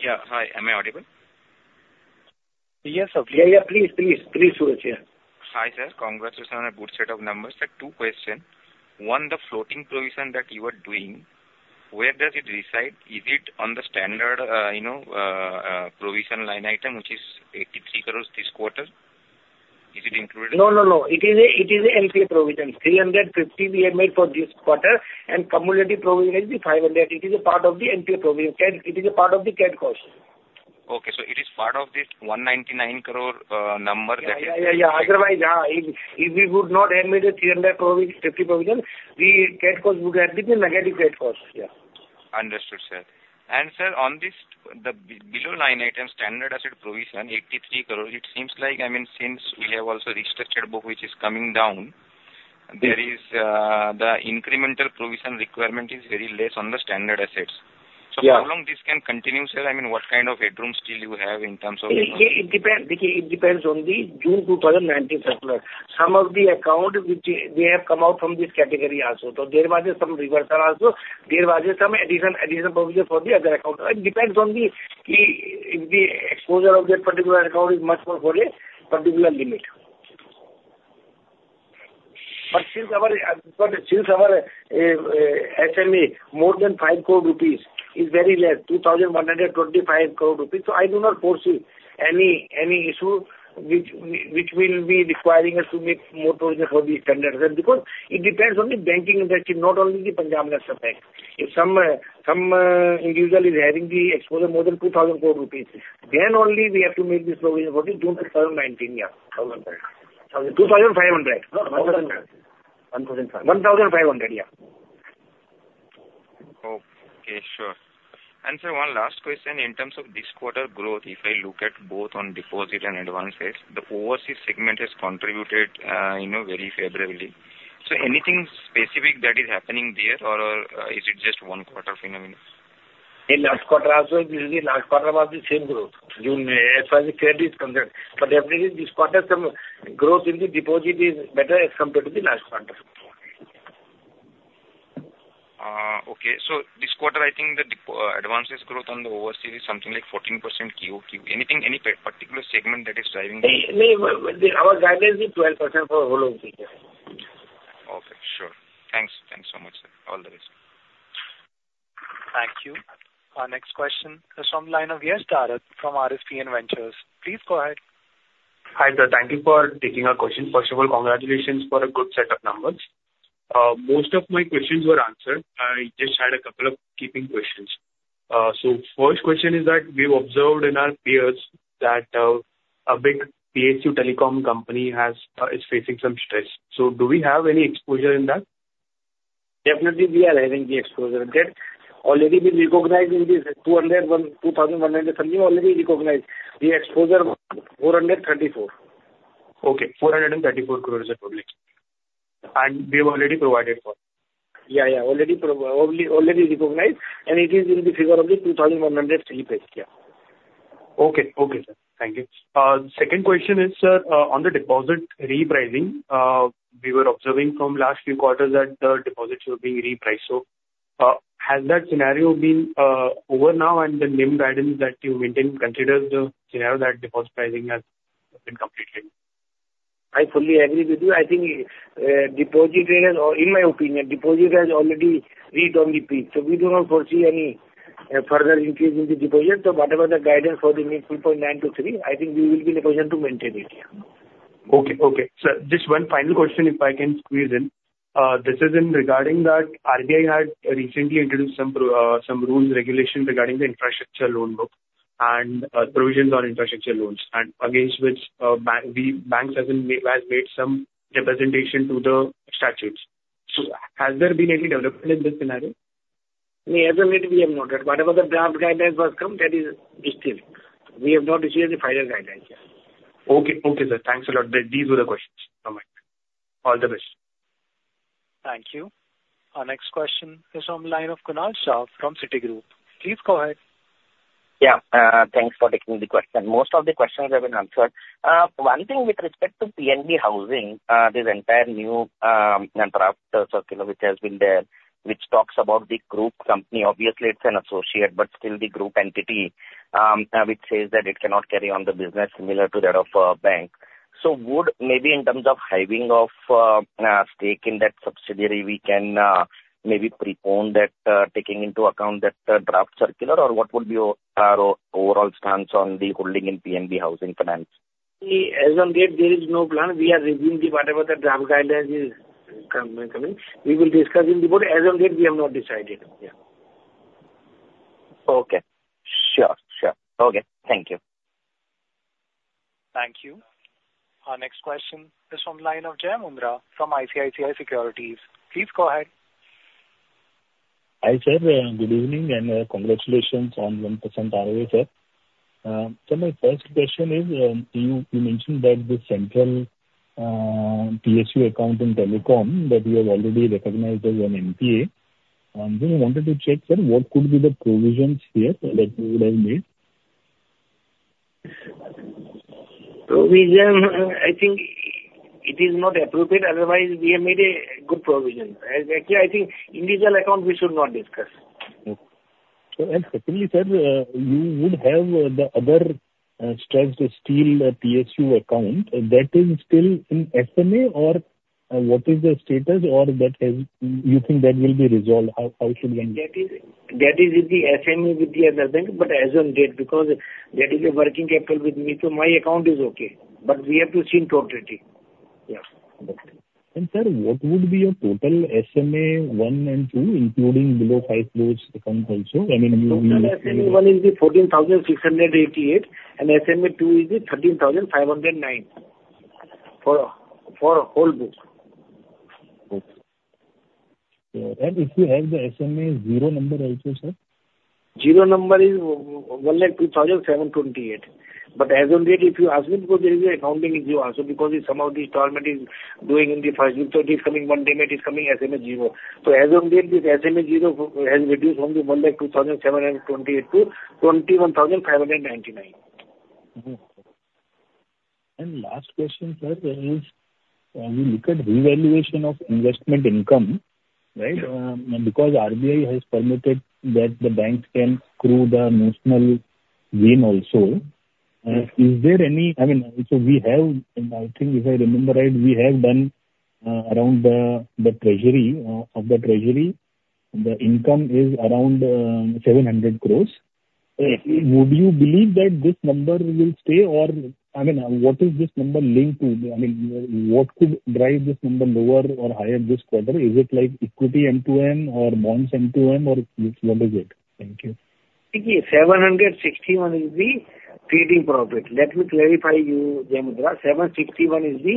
Speaker 11: Yeah. Hi, am I audible?
Speaker 1: Yes, absolutely.
Speaker 4: Yeah, yeah, please, please, please, Suresh, yeah.
Speaker 11: Hi, sir. Congratulations on a good set of numbers. Sir, two question. One, the floating provision that you are doing, where does it reside? Is it on the standard, provision line item, which is 83 crores this quarter? Is it included?
Speaker 4: No, no, no. It is a NPA provision. 350 we have made for this quarter, and cumulative provision is 500. It is a part of the NPA provision, it is a part of the credit cost.
Speaker 11: Okay, so it is part of this 199 crore number that-
Speaker 4: Yeah, yeah, yeah. Otherwise, yeah, if we would not have made 350 crore provision, the credit cost would have been a negative credit cost. Yeah.
Speaker 11: Understood, sir. And sir, on this, the below line item, standard asset provision, 83 crore, it seems like, I mean, since we have also restricted book, which is coming down-
Speaker 4: Yes.
Speaker 11: There is, the incremental provision requirement is very less on the standard assets.
Speaker 4: Yeah.
Speaker 11: So how long this can continue, sir? I mean, what kind of headroom still you have in terms of, you know?
Speaker 4: It depends on the June 2019 circular. Some of the account which they have come out from this category also, so there might be some reversal also, there might be some addition provision for the other account. It depends on the if the exposure of that particular account is much more for a particular limit. But since our SME more than 5 crore rupees is very less, 2,125 crore rupees, so I do not foresee any issue which will be requiring us to make more provision for the standard. Because it depends on the banking industry, not only the Punjab National Bank. If some individual is having the exposure more than 2,000 crore rupees, then only we have to make this provision for the June 2019, yeah.
Speaker 11: Thousand, thousand-
Speaker 4: INR 2,500.
Speaker 11: No, one thousand five. One thousand five.
Speaker 4: One thousand five hundred, yeah.
Speaker 11: Okay, sure. And sir, one last question, in terms of this quarter growth, if I look at both on deposit and advance rates, the overseas segment has contributed, you know, very favorably. So anything specific that is happening there, or is it just one quarter phenomenon?
Speaker 4: In last quarter also, the last quarter was the same growth, June, as far as the trade is concerned. But definitely this quarter, some growth in the deposit is better as compared to the last quarter.
Speaker 11: Okay. So this quarter, I think the deposits and advances growth on the overseas is something like 14% QOQ. Anything, any particular segment that is driving that?
Speaker 4: Our guidance is 12% for whole of the year.
Speaker 11: Okay, sure. Thanks. Thanks so much, sir. All the best.
Speaker 1: Thank you. Our next question is from the line of Yash Darak, from RSPN Ventures. Please go ahead.
Speaker 12: Hi there. Thank you for taking our question. First of all, congratulations for a good set of numbers. Most of my questions were answered. I just had a couple of key questions. So first question is that we've observed among our peers that a big PSU telecom company is facing some stress. So do we have any exposure in that?
Speaker 4: Definitely, we are having the exposure there. Already, we recognize in the two thousand one hundred something, already recognized. The exposure, 434.
Speaker 12: Okay, 434 crore roughly. And we've already provided for it?
Speaker 4: Yeah. Already recognized, and it is in the figure of the 2100 crore. Yeah.
Speaker 12: Okay. Okay, sir. Thank you. Second question is, sir, on the deposit repricing. We were observing from last few quarters that the deposits were being repriced. So, has that scenario been over now? And the NIM guidance that you maintain considers the scenario that deposit pricing has been completed?
Speaker 4: I fully agree with you. I think, deposit rate, or in my opinion, deposit has already reached the peak. So we do not foresee any, further increase in the deposit. So whatever the guidance for the next 2.9 to 3, I think we will be in a position to maintain it. Yeah.
Speaker 12: Okay. Sir, just one final question, if I can squeeze in. This is in regarding that RBI had recently introduced some rules and regulation regarding the infrastructure loan book and provisions on infrastructure loans, and against which bank, the banks hasn't made, has made some representation to the statutes. So has there been any development in this scenario?
Speaker 4: As of yet, we have not. Whatever the draft guidelines has come, that is still. We have not received the final guideline yet.
Speaker 12: Okay. Okay, sir. Thanks a lot. These were the questions from my end. All the best.
Speaker 1: Thank you. Our next question is from the line of Kunal Shah from Citigroup. Please go ahead.
Speaker 13: Yeah, thanks for taking the question. Most of the questions have been answered. One thing with respect to PNB Housing, this entire new draft circular which has been there, which talks about the group company. Obviously, it's an associate, but still the group entity, which says that it cannot carry on the business similar to that of a bank. So would maybe in terms of having of a stake in that subsidiary, we can maybe prepone that, taking into account that draft circular, or what would be our overall stance on the holding in PNB Housing Finance?
Speaker 4: As of yet, there is no plan. We are reviewing whatever the draft guidelines is coming. We will discuss in the board. As of yet, we have not decided. Yeah.
Speaker 13: Okay. Sure, sure. Okay. Thank you.
Speaker 1: Thank you. Our next question is from the line of Jai Mundhra from ICICI Securities. Please go ahead.
Speaker 14: Hi, sir, good evening, and congratulations on 1% ROA, sir. So my first question is, you mentioned that the central PSU account in telecom that you have already recognized as an NPA. And we wanted to check, sir, what could be the provisions here that you would have made?
Speaker 4: Provision, I think it is not appropriate, otherwise we have made a good provision. Actually, I think individual account, we should not discuss.
Speaker 14: Okay. Certainly, sir, you would have the other stressed steel PSU account that is still in SMA or what is the status? Or that has... You think that will be resolved? How should we understand?
Speaker 4: That is, that is with the SMA with the other bank, but as of yet, because that is a working capital with me, so my account is okay, but we have to see in totality. Yeah.
Speaker 14: Okay. And sir, what would be your total SMA one and two, including below five crores account also? I mean, you-
Speaker 4: Total SMA one is the 14,688, and SMA two is the 13,509 for the whole book.
Speaker 14: Okay, and if you have the SMA zero number also, sir?
Speaker 4: Zero number is 12782. But as of date, if you ask me, because there is an accounting issue also, because some of this amount is doing in the first week, so it is coming one day, it is coming SMA zero. So as of date, this SMA zero has reduced from the INR 12728 lakh toINR 21579.
Speaker 14: Mm-hmm. And last question, sir, is we look at revaluation of investment income, right?
Speaker 4: Yeah.
Speaker 14: Because RBI has permitted that the banks can accrue the notional gain also. Is there any, I mean, so we have, and I think if I remember right, we have done around the treasury income is around 700 crores. Would you believe that this number will stay? Or, I mean, what is this number linked to? I mean, what could drive this number lower or higher this quarter? Is it like equity M2M or bonds M2M, or what is it? Thank you.
Speaker 4: See, INR 761 is the trading profit. Let me clarify you, Jai Mundhra.INR 761 is the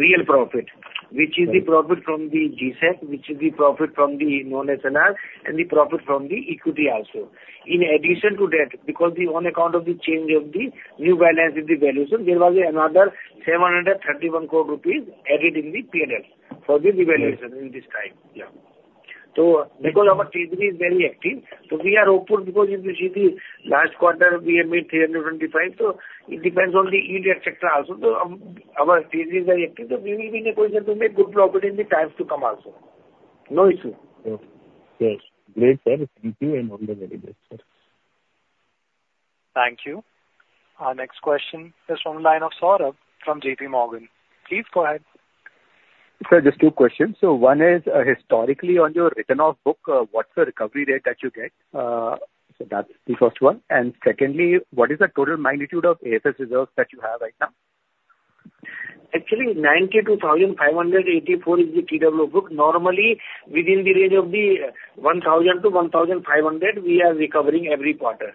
Speaker 4: real profit, which is the profit from the G-Sec, which is the profit from the non-SLR, and the profit from the equity also. In addition to that, because on account of the change of the new balance of the valuation, there was another 731 crore rupees INR added in the P&L for the revaluation in this time. Yeah. So because our Treasury is very active, so we are open because if you see the last quarter, we have made 325. So it depends only yield, et cetera, also. So, our Treasury is very active, so we will be in a position to make good profit in the times to come also. No issue.
Speaker 14: Okay. Yes. Great, sir. Thank you and all the very best, sir.
Speaker 1: Thank you. Our next question is from the line of Saurabh from J.P. Morgan. Please go ahead.
Speaker 15: Sir, just two questions. So one is, historically on your written off book, what's the recovery rate that you get? So that's the first one. And secondly, what is the total magnitude of AFS reserves that you have right now?
Speaker 4: Actually, 92,584 is the TW book. Normally, within the range of 1,000-1,500, we are recovering every quarter.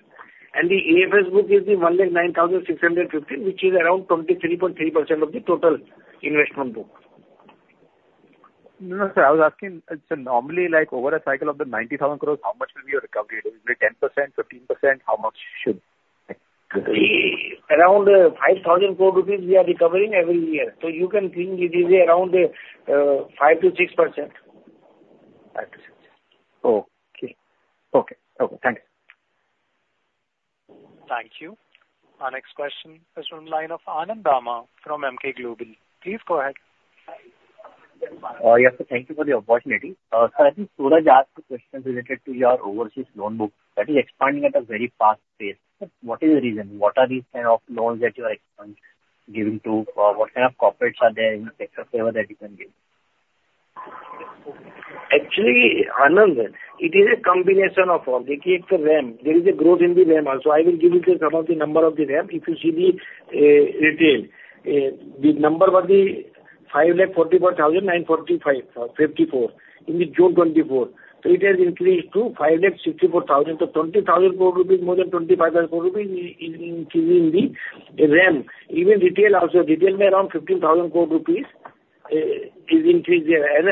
Speaker 4: The AFS book is 1 lakh 9,650, which is around 23.3% of the total investment book.
Speaker 15: No, no, sir, I was asking, so normally, like over a cycle of the ninety thousand crores, how much will be your recovery? It will be 10%, 15%, how much should?
Speaker 4: Around 5,000 crore rupees we are recovering every year, so you can think it is around 5%-6%.
Speaker 15: 5%-6%. Okay. Okay. Okay, thank you.
Speaker 1: Thank you. Our next question is from the line of Anand Dama from Emkay Global. Please go ahead.
Speaker 16: Yes, sir. Thank you for the opportunity. Sir, I just want to ask a question related to your overseas loan book that is expanding at a very fast pace. What is the reason? What are these kind of loans that you are expanding, giving to, or what kind of corporates are there in the sector that you can give?
Speaker 4: Actually, Anand, it is a combination of all. It is a RAM. There is a growth in the RAM also. I will give you some of the number of the RAM. If you see the retail, the number was 544,945.54 in June 2024. So it has increased to 564,000. So 20,000 crore rupees, more than 25,000 crore rupees in increasing the RAM. Even retail also, retail around 15,000 crore rupees is increased there. And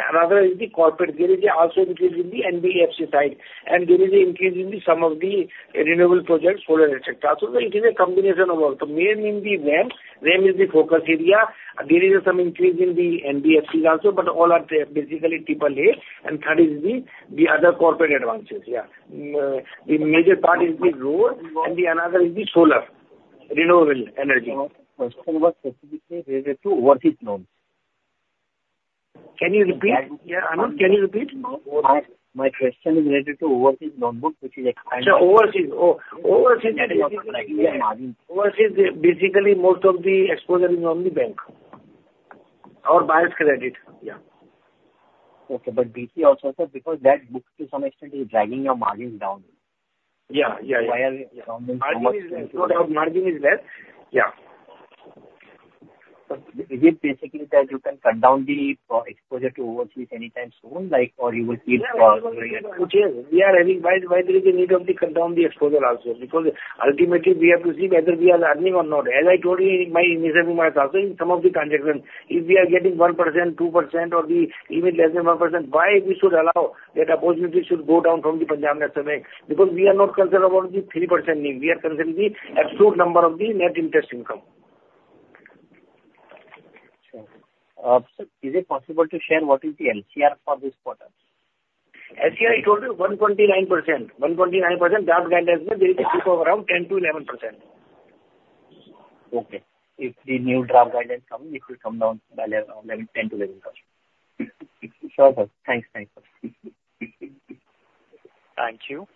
Speaker 4: another is the corporate. There is also increase in the NBFC side, and there is an increase in some of the renewable projects, solar, et cetera. So it is a combination of all. So main in the RAM, RAM is the focus area. There is some increase in the NBFCs also, but all are basically AAA, and that is the other corporate advances, yeah. The major part is the road and the another is the solar, renewable energy.
Speaker 16: My question was specifically related to overseas loans.
Speaker 4: Can you repeat? Yeah, Anand, can you repeat?
Speaker 16: My question is related to overseas loan book, which is expanding-
Speaker 4: Overseas.
Speaker 16: Adding up your margin.
Speaker 4: Overseas, basically, most of the exposure is on the bank or buyer's credit. Yeah.
Speaker 16: Okay, but BC also, sir, because that book to some extent is dragging your margin down.
Speaker 4: Yeah, yeah, yeah.
Speaker 16: While you are doing so much-
Speaker 4: Margin is, no doubt, margin is less. Yeah.
Speaker 16: So is it basically that you can cut down the exposure to overseas anytime soon, like, or you will keep,
Speaker 4: Which is we are having why, why there is a need of the cut down the exposure also? Because ultimately, we have to see whether we are earning or not. As I told you, in my initial months, also in some of the transactions, if we are getting 1%, 2%, or even less than 1%, why we should allow that opportunity should go down from the Punjab National Bank? Because we are not concerned about the 3% need. We are concerned the absolute number of the net interest income.
Speaker 16: Sure. Sir, is it possible to share what is the LCR for this quarter?
Speaker 4: LCR, I told you, 129%. 129%. Draft guidance is there is a dip of around 10%-11%.
Speaker 16: Okay. If the new draft guidance come, it will come down by around 10%-11%.
Speaker 4: Sure, sir. Thanks. Thanks, sir.
Speaker 1: Thank you.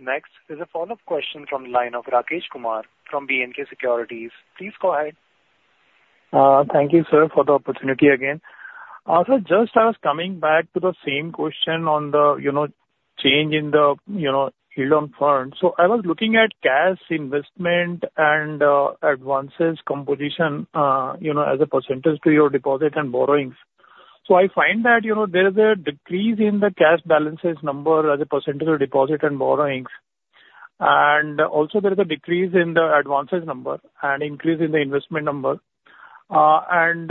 Speaker 1: Next is a follow-up question from the line of Rakesh Kumar from B&K Securities. Please go ahead.
Speaker 8: Thank you, sir, for the opportunity again. So just I was coming back to the same question on the, you know, change in the, you know, yield on funds. So I was looking at cash, investment, and advances composition, you know, as a percentage to your deposit and borrowings. So I find that, you know, there is a decrease in the cash balances number as a percentage of deposit and borrowings. And also there is a decrease in the advances number and increase in the investment number. And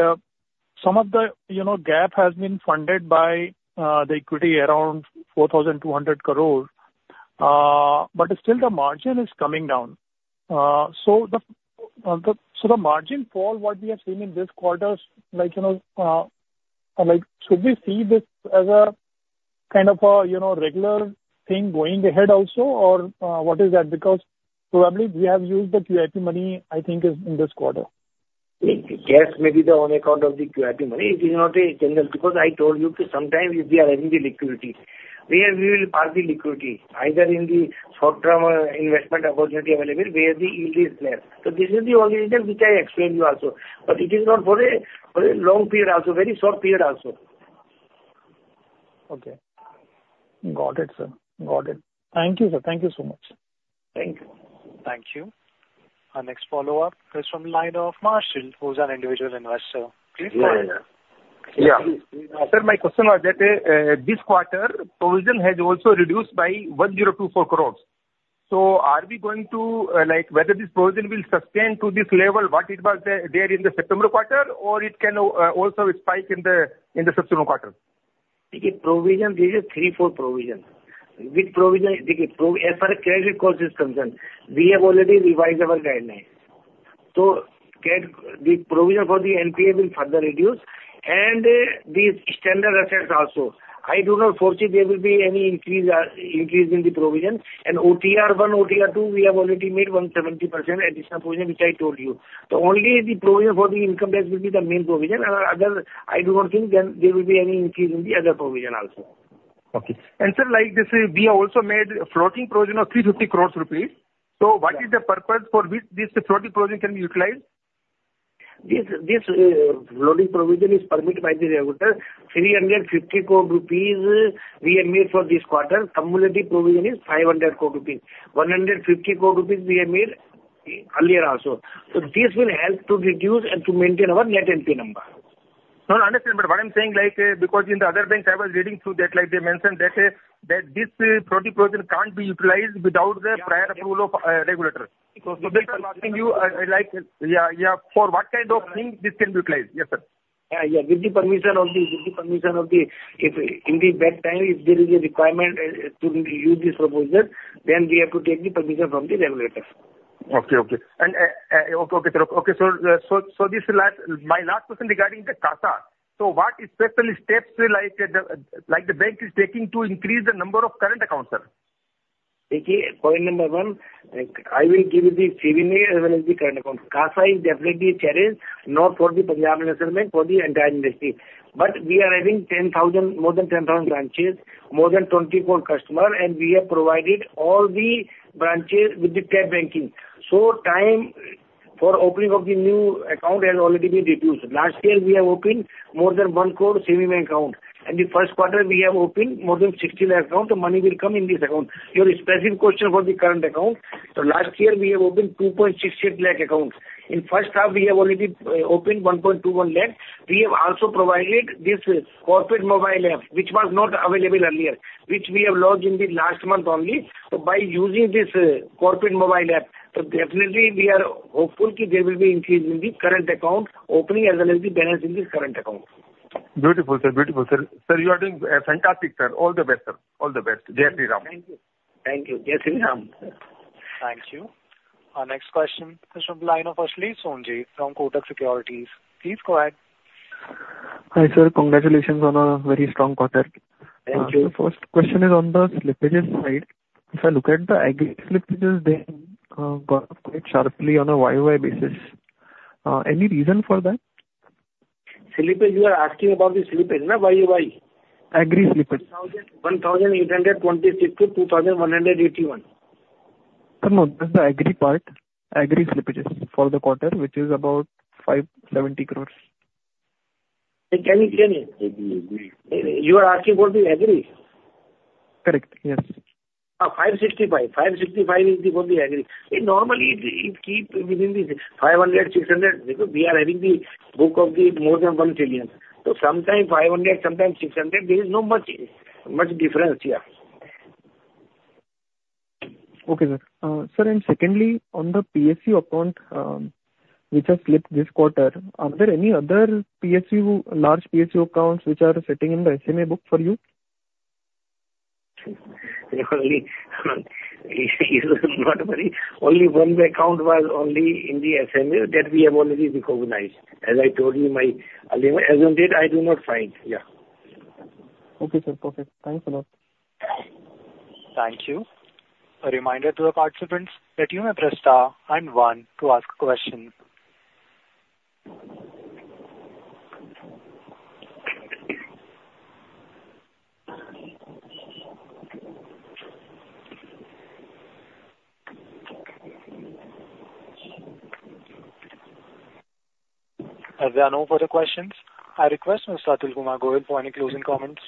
Speaker 8: some of the, you know, gap has been funded by the equity around 4,200 crores, but still the margin is coming down. So the margin for what we have seen in this quarter's, like, you know, like, should we see this as a kind of a, you know, regular thing going ahead also? Or, what is that? Because probably we have used the QIP money, I think is in this quarter.
Speaker 4: The cash may be there on account of the QIP money. It is not a general, because I told you that sometimes if we are having the liquidity, where we will park the liquidity, either in the short-term investment opportunity available, where the yield is less. So this is the only reason which I explained you also, but it is not for a long period also, very short period also.
Speaker 8: Okay. Got it, sir. Got it. Thank you, sir. Thank you so much.
Speaker 4: Thank you.
Speaker 1: Thank you. Our next follow-up is from the line of Marshall, who's an individual investor. Please go ahead.
Speaker 4: Yeah, yeah. Yeah.
Speaker 10: Sir, my question was that, this quarter, provision has also reduced by 1,024 crores. So are we going to, like, whether this provision will sustain to this level, what it was there in the September quarter, or it can also spike in the September quarter?
Speaker 4: Provision, there is a 3-4 provision. Which provision, the provision as far as credit cost is concerned, we have already revised our guideline. So the provision for the NPA will further reduce, and these standard assets also. I do not foresee there will be any increase in the provision, and OTR one, OTR two, we have already made 170% additional provision, which I told you. The only the provision for the income tax will be the main provision, and other, I do not think there will be any increase in the other provision also. Okay. And sir, like this, we also made a floating provision of 350 crore rupees. So what is the purpose for which this floating provision can be utilized? This floating provision is permitted by the regulator. 350 crore rupees we have made for this quarter. Cumulative provision is 500 crore rupees. 150 crore rupees we have made earlier also. So this will help to reduce and to maintain our net NPA number. No, I understand, but what I'm saying, like, because in the other banks, I was reading through that, like they mentioned that this floating provision can't be utilized without the prior approval of regulators. So- So therefore I'm asking you, like, for what kind of things this can be utilized? Yes, sir. Yeah, with the permission of the, if in the bad time there is a requirement to use this provision, then we have to take the permission from the regulator.
Speaker 10: Okay, sir. Okay, so my last question regarding the CASA. So what specific steps will, like, the, like the bank is taking to increase the number of current accounts, sir?
Speaker 4: Okay, point number one, I will give you the savings as well as the current account. CASA is definitely a challenge, not for the Punjab National Bank, for the entire industry. But we are having 10,000, more than 10,000 branches, more than 24,000 customers, and we have provided all the branches with the Tab banking. So time for opening of the new account has already been reduced. Last year we have opened more than one crore savings accounts, and the first quarter we have opened more than 16 lakh accounts, the money will come in this account. Your specific question for the current account, so last year we have opened 2.68 lakh accounts. In first half, we have already opened 1.21 lakh. We have also provided this corporate mobile app, which was not available earlier, which we have launched in the last month only. So by using this, corporate mobile app, so definitely we are hopeful that there will be increase in the current account opening, as well as the balance in the current account. Beautiful, sir. Beautiful, sir. Sir, you are doing fantastic, sir. All the best, sir. All the best. Jai Shri Ram. Thank you. Thank you. Jai Shri Ram.
Speaker 1: Thank you. Our next question is from the line of Ashlesh Sonje from Kotak Securities. Please go ahead.
Speaker 17: Hi, sir. Congratulations on a very strong quarter.
Speaker 4: Thank you.
Speaker 17: So first question is on the slippages side. If I look at the Agri slippages, they gone up quite sharply on a YoY basis. Any reason for that?
Speaker 4: Slippage, you are asking about the slippage, no, YoY?
Speaker 17: Agri slippage.
Speaker 4: INR 1826- INR 2181.
Speaker 17: Sir, no, just the Agri part, Agri slippages for the quarter, which is about 570 crores.
Speaker 4: Can you?
Speaker 17: Agri, agri.
Speaker 4: You are asking for the agri?
Speaker 17: Correct. Yes.
Speaker 4: 565. 565 is the, for the Agri. Normally, it keep within the 500, 600, because we are having the book of the more than 1 trillion. So sometime 500, 600, there is no much difference. Yeah.
Speaker 17: Okay, sir. Sir, and secondly, on the PSU account, which has slipped this quarter, are there any other PSU, large PSU accounts which are sitting in the SMA book for you?
Speaker 4: Normally, you not worry. Only one account was only in the SMA that we have already recognized. As I told you, as on date, I do not find.
Speaker 17: Okay, sir. Perfect. Thanks a lot.
Speaker 1: Thank you. A reminder to the participants that you may press star and one to ask a question. As there are no further questions, I request Mr. Atul Kumar Goel for any closing comments.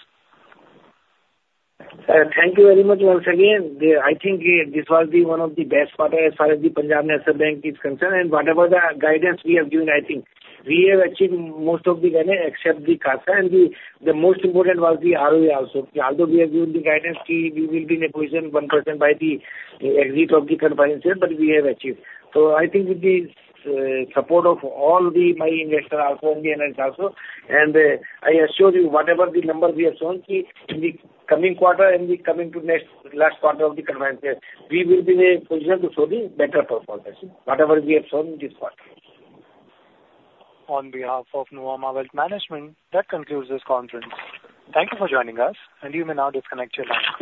Speaker 4: Thank you very much once again. I think this was the one of the best quarter as far as the Punjab National Bank is concerned, and whatever the guidance we have given, I think we have achieved most of the guidance, except the CASA, and the most important was the ROE also. Although we have given the guidance that we will be in a position 1% by the exit of the current financial year, but we have achieved. So I think with the support of all the my investor also, and the analysts also, and I assure you, whatever the number we have shown in the coming quarter and the coming to next last quarter of the current financial year, we will be in a position to show the better performance, whatever we have shown this quarter.
Speaker 1: On behalf of Nuvama Wealth, that concludes this conference. Thank you for joining us, and you may now disconnect your line.